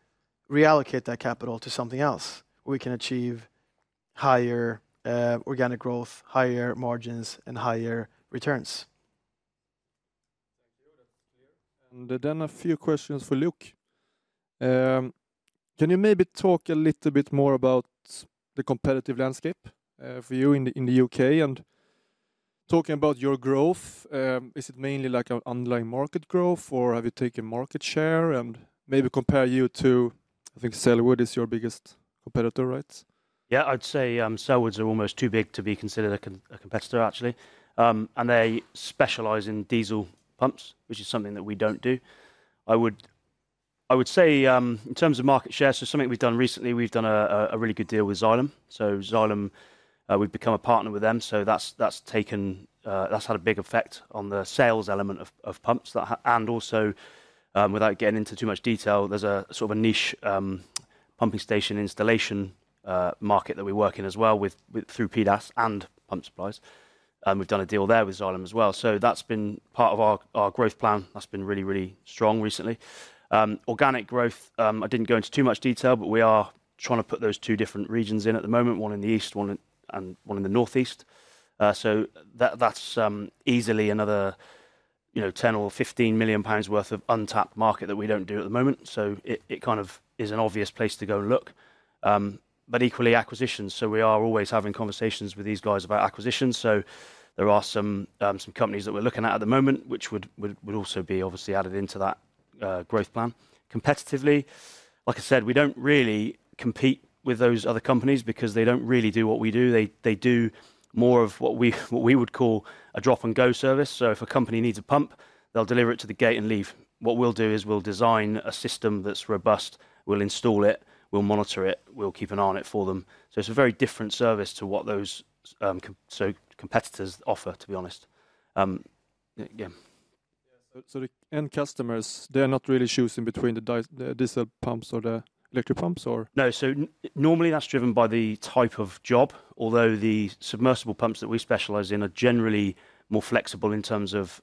reallocate that capital to something else where we can achieve higher organic growth, higher margins, and higher returns. Thank you. That is clear. A few questions for Luke. Can you maybe talk a little bit more about the competitive landscape for you in the U.K. and talking about your growth? Is it mainly like an underlying market growth, or have you taken market share and maybe compare you to, I think, Selwood is your biggest competitor, right? Yeah, I'd say Selwood are almost too big to be considered a competitor, actually. They specialize in diesel pumps, which is something that we don't do. I would say in terms of market share, something we've done recently, we've done a really good deal with Xylem. Xylem, we've become a partner with them. That has had a big effect on the sales element of pumps. Also, without getting into too much detail, there's a sort of a niche pumping station installation market that we work in as well through PDAS and Pump Supplies. We've done a deal there with Xylem as well. That has been part of our growth plan. That has been really, really strong recently. Organic growth, I did not go into too much detail, but we are trying to put those two different regions in at the moment, one in the east and one in the northeast. That is easily another 10 million-15 million pounds worth of untapped market that we do not do at the moment. It kind of is an obvious place to go and look. Equally, acquisitions. We are always having conversations with these guys about acquisitions. There are some companies that we are looking at at the moment, which would also be obviously added into that growth plan. Competitively, like I said, we do not really compete with those other companies because they do not really do what we do. They do more of what we would call a drop-and-go service. If a company needs a pump, they will deliver it to the gate and leave. What we'll do is we'll design a system that's robust. We'll install it. We'll monitor it. We'll keep an eye on it for them. It is a very different service to what those competitors offer, to be honest. Yeah. The end customers, they're not really choosing between the diesel pumps or the electric pumps, or? No. Normally that's driven by the type of job, although the submersible pumps that we specialize in are generally more flexible in terms of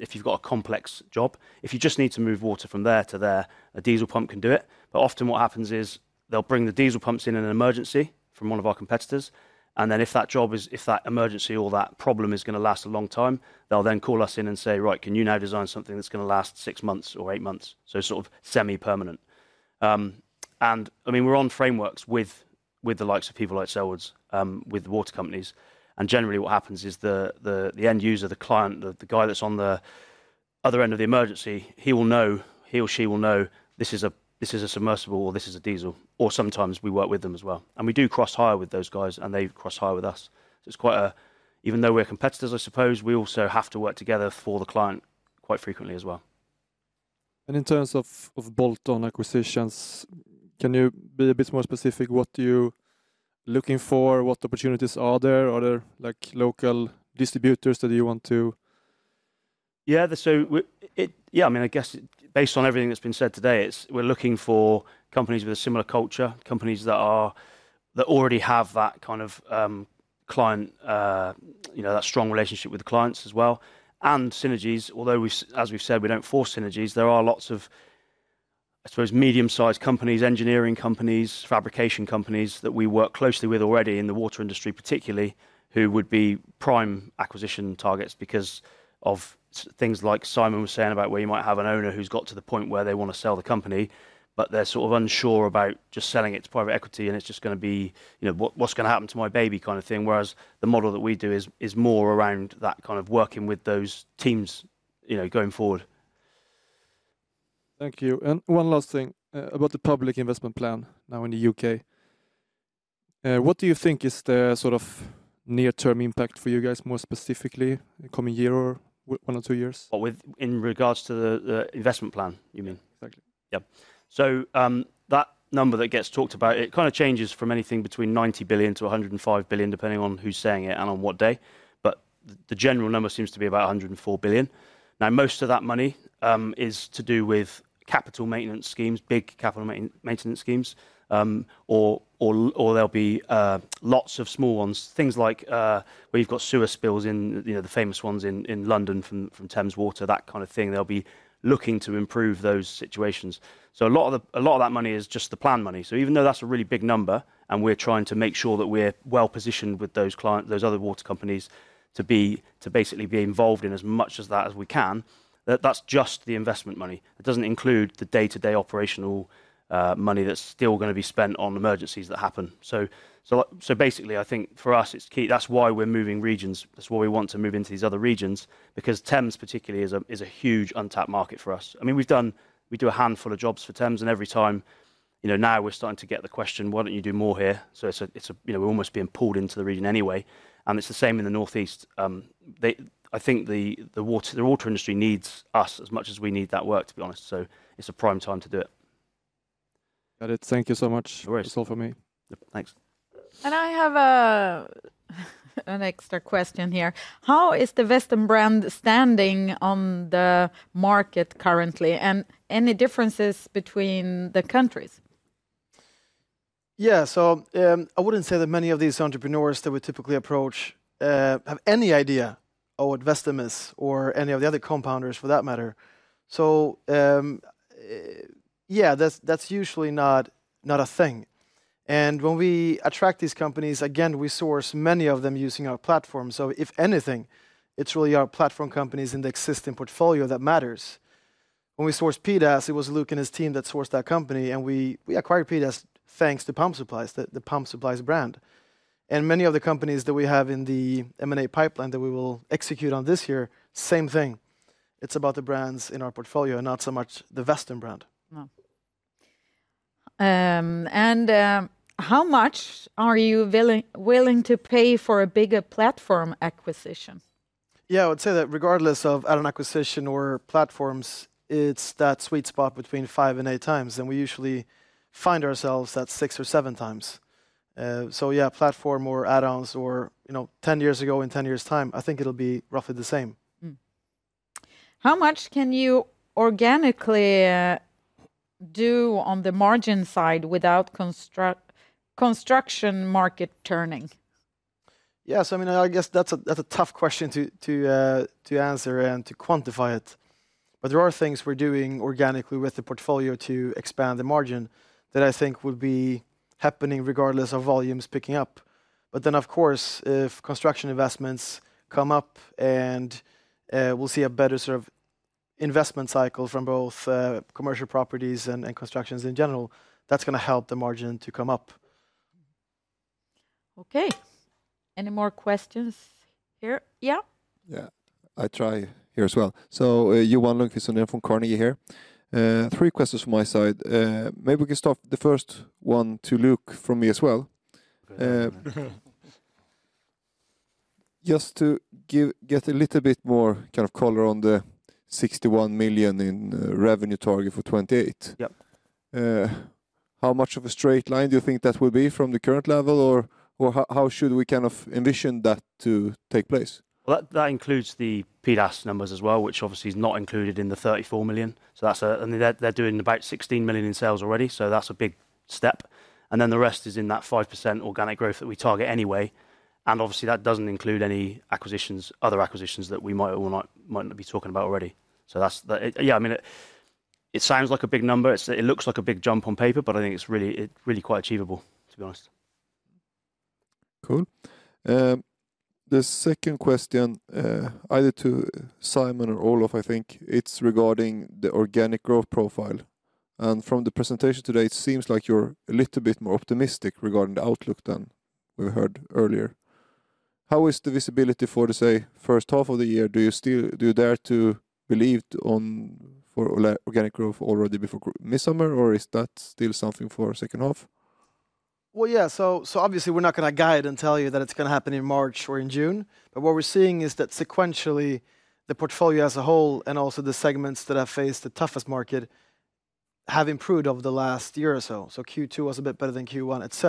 if you've got a complex job. If you just need to move water from there to there, a diesel pump can do it. Often what happens is they'll bring the diesel pumps in an emergency from one of our competitors. If that job, if that emergency or that problem is going to last a long time, they'll then call us in and say, "Right, can you now design something that's going to last six months or eight months?" Sort of semi-permanent. I mean, we're on frameworks with the likes of people like Selwood, with water companies. Generally what happens is the end user, the client, the guy that's on the other end of the emergency, he will know, he or she will know, "This is a submersible or this is a diesel." Sometimes we work with them as well. We do cross hire with those guys, and they cross hire with us. It is quite a, even though we're competitors, I suppose, we also have to work together for the client quite frequently as well. In terms of bolt-on acquisitions, can you be a bit more specific? What are you looking for? What opportunities are there? Are there local distributors that you want to? Yeah. Yeah, I mean, I guess based on everything that's been said today, we're looking for companies with a similar culture, companies that already have that kind of client, that strong relationship with the clients as well. And synergies, although, as we've said, we do not force synergies. There are lots of, I suppose, medium-sized companies, engineering companies, fabrication companies that we work closely with already in the water industry, particularly, who would be prime acquisition targets because of things like Simon was saying about where you might have an owner who's got to the point where they want to sell the company, but they're sort of unsure about just selling it to private equity, and it's just going to be, "What's going to happen to my baby?" kind of thing. Whereas the model that we do is more around that kind of working with those teams going forward. Thank you. One last thing about the public investment plan now in the U.K. What do you think is the sort of near-term impact for you guys more specifically coming year or one or two years? In regards to the investment plan, you mean? Exactly. Yeah. That number that gets talked about, it kind of changes from anything between 90 billion-105 billion, depending on who's saying it and on what day. The general number seems to be about 104 billion. Most of that money is to do with capital maintenance schemes, big capital maintenance schemes, or there'll be lots of small ones, things like where you've got sewer spills in the famous ones in London from Thames Water, that kind of thing. They'll be looking to improve those situations. A lot of that money is just the plan money. Even though that's a really big number, and we're trying to make sure that we're well-positioned with those other water companies to basically be involved in as much of that as we can, that's just the investment money. It does not include the day-to-day operational money that is still going to be spent on emergencies that happen. Basically, I think for us, it is key. That is why we are moving regions. That is why we want to move into these other regions, because Thames particularly is a huge untapped market for us. I mean, we do a handful of jobs for Thames, and every time now we are starting to get the question, "Why do not you do more here?" We are almost being pulled into the region anyway. It is the same in the northeast. I think the water industry needs us as much as we need that work, to be honest. It is a prime time to do it. Got it. Thank you so much. That is all for me. Thanks. I have an extra question here. How is the Vestum brand standing on the market currently? Any differences between the countries? Yeah. I wouldn't say that many of these entrepreneurs that we typically approach have any idea of what Vestum is or any of the other co-founders for that matter. Yeah, that's usually not a thing. When we attract these companies, again, we source many of them using our platform. If anything, it's really our platform companies in the existing portfolio that matters. When we sourced PDAS, it was Luke and his team that sourced that company. We acquired PDAS thanks to Pump Supplies, the Pump Supplies brand. Many of the companies that we have in the M&A pipeline that we will execute on this year, same thing. It's about the brands in our portfolio and not so much the Vestum brand. How much are you willing to pay for a bigger platform acquisition? Yeah, I would say that regardless of add-on acquisition or platforms, it's that sweet spot between five and eight times. We usually find ourselves at six or seven times. Yeah, platform or add-ons or 10 years ago in 10 years' time, I think it'll be roughly the same. How much can you organically do on the margin side without construction market turning? Yeah. I mean, I guess that's a tough question to answer and to quantify it. There are things we're doing organically with the portfolio to expand the margin that I think will be happening regardless of volumes picking up. Of course, if construction investments come up and we'll see a better sort of investment cycle from both commercial properties and constructions in general, that's going to help the margin to come up. Okay. Any more questions here? Yeah? Yeah. I try here as well. Yuan Lyu, who's in there from Carnegie here. Three questions from my side. Maybe we can start the first one to Luke from me as well. Just to get a little bit more kind of color on the 61 million in revenue target for 2028. How much of a straight line do you think that will be from the current level, or how should we kind of envision that to take place? That includes the PDAS numbers as well, which obviously is not included in the 34 million. They are doing about 16 million in sales already. That is a big step. The rest is in that 5% organic growth that we target anyway. Obviously, that does not include any other acquisitions that we might or might not be talking about already. I mean, it sounds like a big number. It looks like a big jump on paper, but I think it's really quite achievable, to be honest. Cool. The second question, either to Simon or Olof, I think it's regarding the organic growth profile. And from the presentation today, it seems like you're a little bit more optimistic regarding the outlook than we heard earlier. How is the visibility for, to say, first half of the year? Do you dare to believe for organic growth already before midsummer, or is that still something for second half? Yeah. Obviously, we're not going to guide and tell you that it's going to happen in March or in June. What we're seeing is that sequentially, the portfolio as a whole and also the segments that have faced the toughest market have improved over the last year or so. Q2 was a bit better than Q1, etc.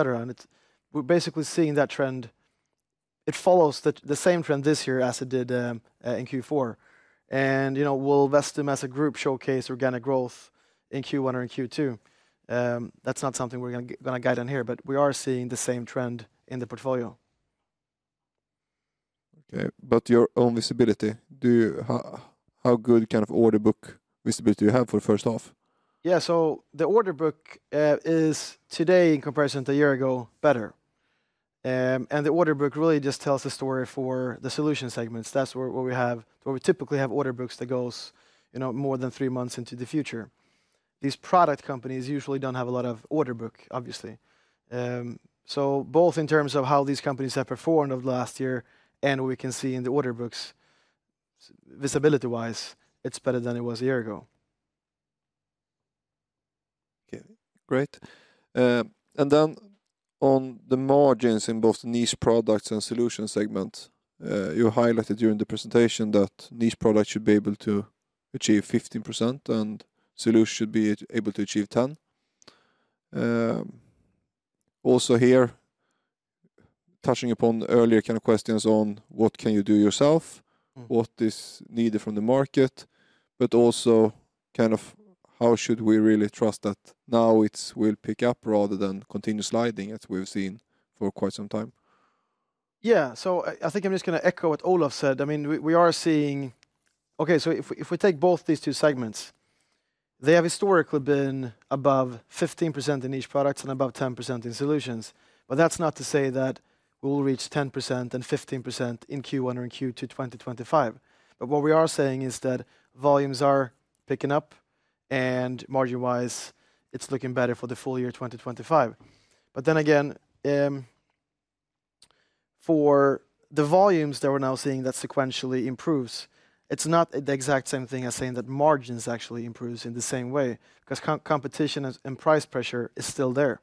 We're basically seeing that trend. It follows the same trend this year as it did in Q4. Will Vestum as a group showcase organic growth in Q1 or in Q2? That's not something we're going to guide on here, but we are seeing the same trend in the portfolio. Okay. Your own visibility, how good kind of order book visibility do you have for first half? Yeah. The order book is today, in comparison to a year ago, better. The order book really just tells the story for the Solutions segment. That's where we typically have order books that go more than three months into the future. These product companies usually don't have a lot of order book, obviously. Both in terms of how these companies have performed over the last year and what we can see in the order books, visibility-wise, it's better than it was a year ago. Okay. Great. On the margins in both Niche Products and Solutions segments, you highlighted during the presentation that Niche Products should be able to achieve 15% and Solutions should be able to achieve 10%. Also here, touching upon earlier kind of questions on what can you do yourself, what is needed from the market, but also kind of how should we really trust that now it will pick up rather than continue sliding as we've seen for quite some time? Yeah. I think I'm just going to echo what Olof said. I mean, we are seeing, okay, so if we take both these two segments, they have historically been above 15% in each product and above 10% in solutions. That is not to say that we will reach 10% and 15% in Q1 or in Q2 2025. What we are saying is that volumes are picking up, and margin-wise, it is looking better for the full year 2025. For the volumes that we are now seeing that sequentially improves, it is not the exact same thing as saying that margins actually improve in the same way because competition and price pressure is still there,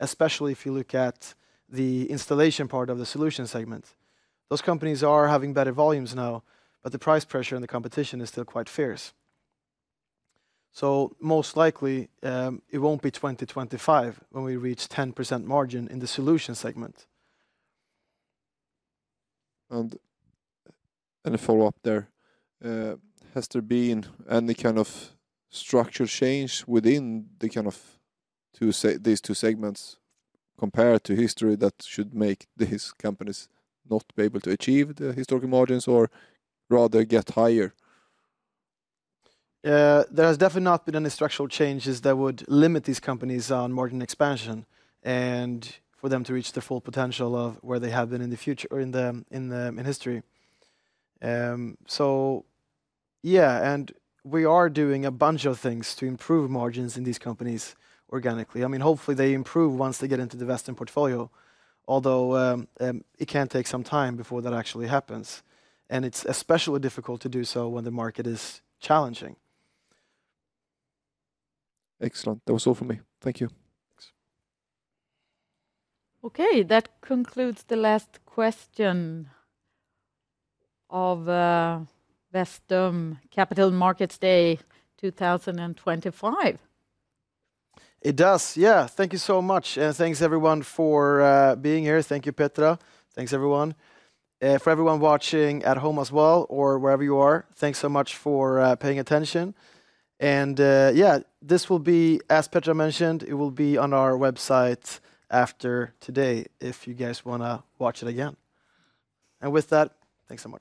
especially if you look at the installation part of the Solutions segment. Those companies are having better volumes now, but the price pressure and the competition is still quite fierce. Most likely, it will not be 2025 when we reach 10% margin in the Solutions segment. A follow-up there. Has there been any kind of structure change within these two segments compared to history that should make these companies not be able to achieve the historical margins or rather get higher? There has definitely not been any structural changes that would limit these companies on margin expansion and for them to reach their full potential of where they have been in the future or in history. Yeah, we are doing a bunch of things to improve margins in these companies organically. I mean, hopefully, they improve once they get into the Vestum portfolio, although it can take some time before that actually happens. It is especially difficult to do so when the market is challenging. Excellent. That was all from me. Thank you. Thanks. Okay. That concludes the last question of Vestum Capital Markets Day 2025. It does. Yeah. Thank you so much. Thanks, everyone, for being here. Thank you, Petra. Thanks, everyone. For everyone watching at home as well or wherever you are, thanks so much for paying attention. Yeah, this will be, as Petra mentioned, it will be on our website after today if you guys want to watch it again. With that, thanks so much.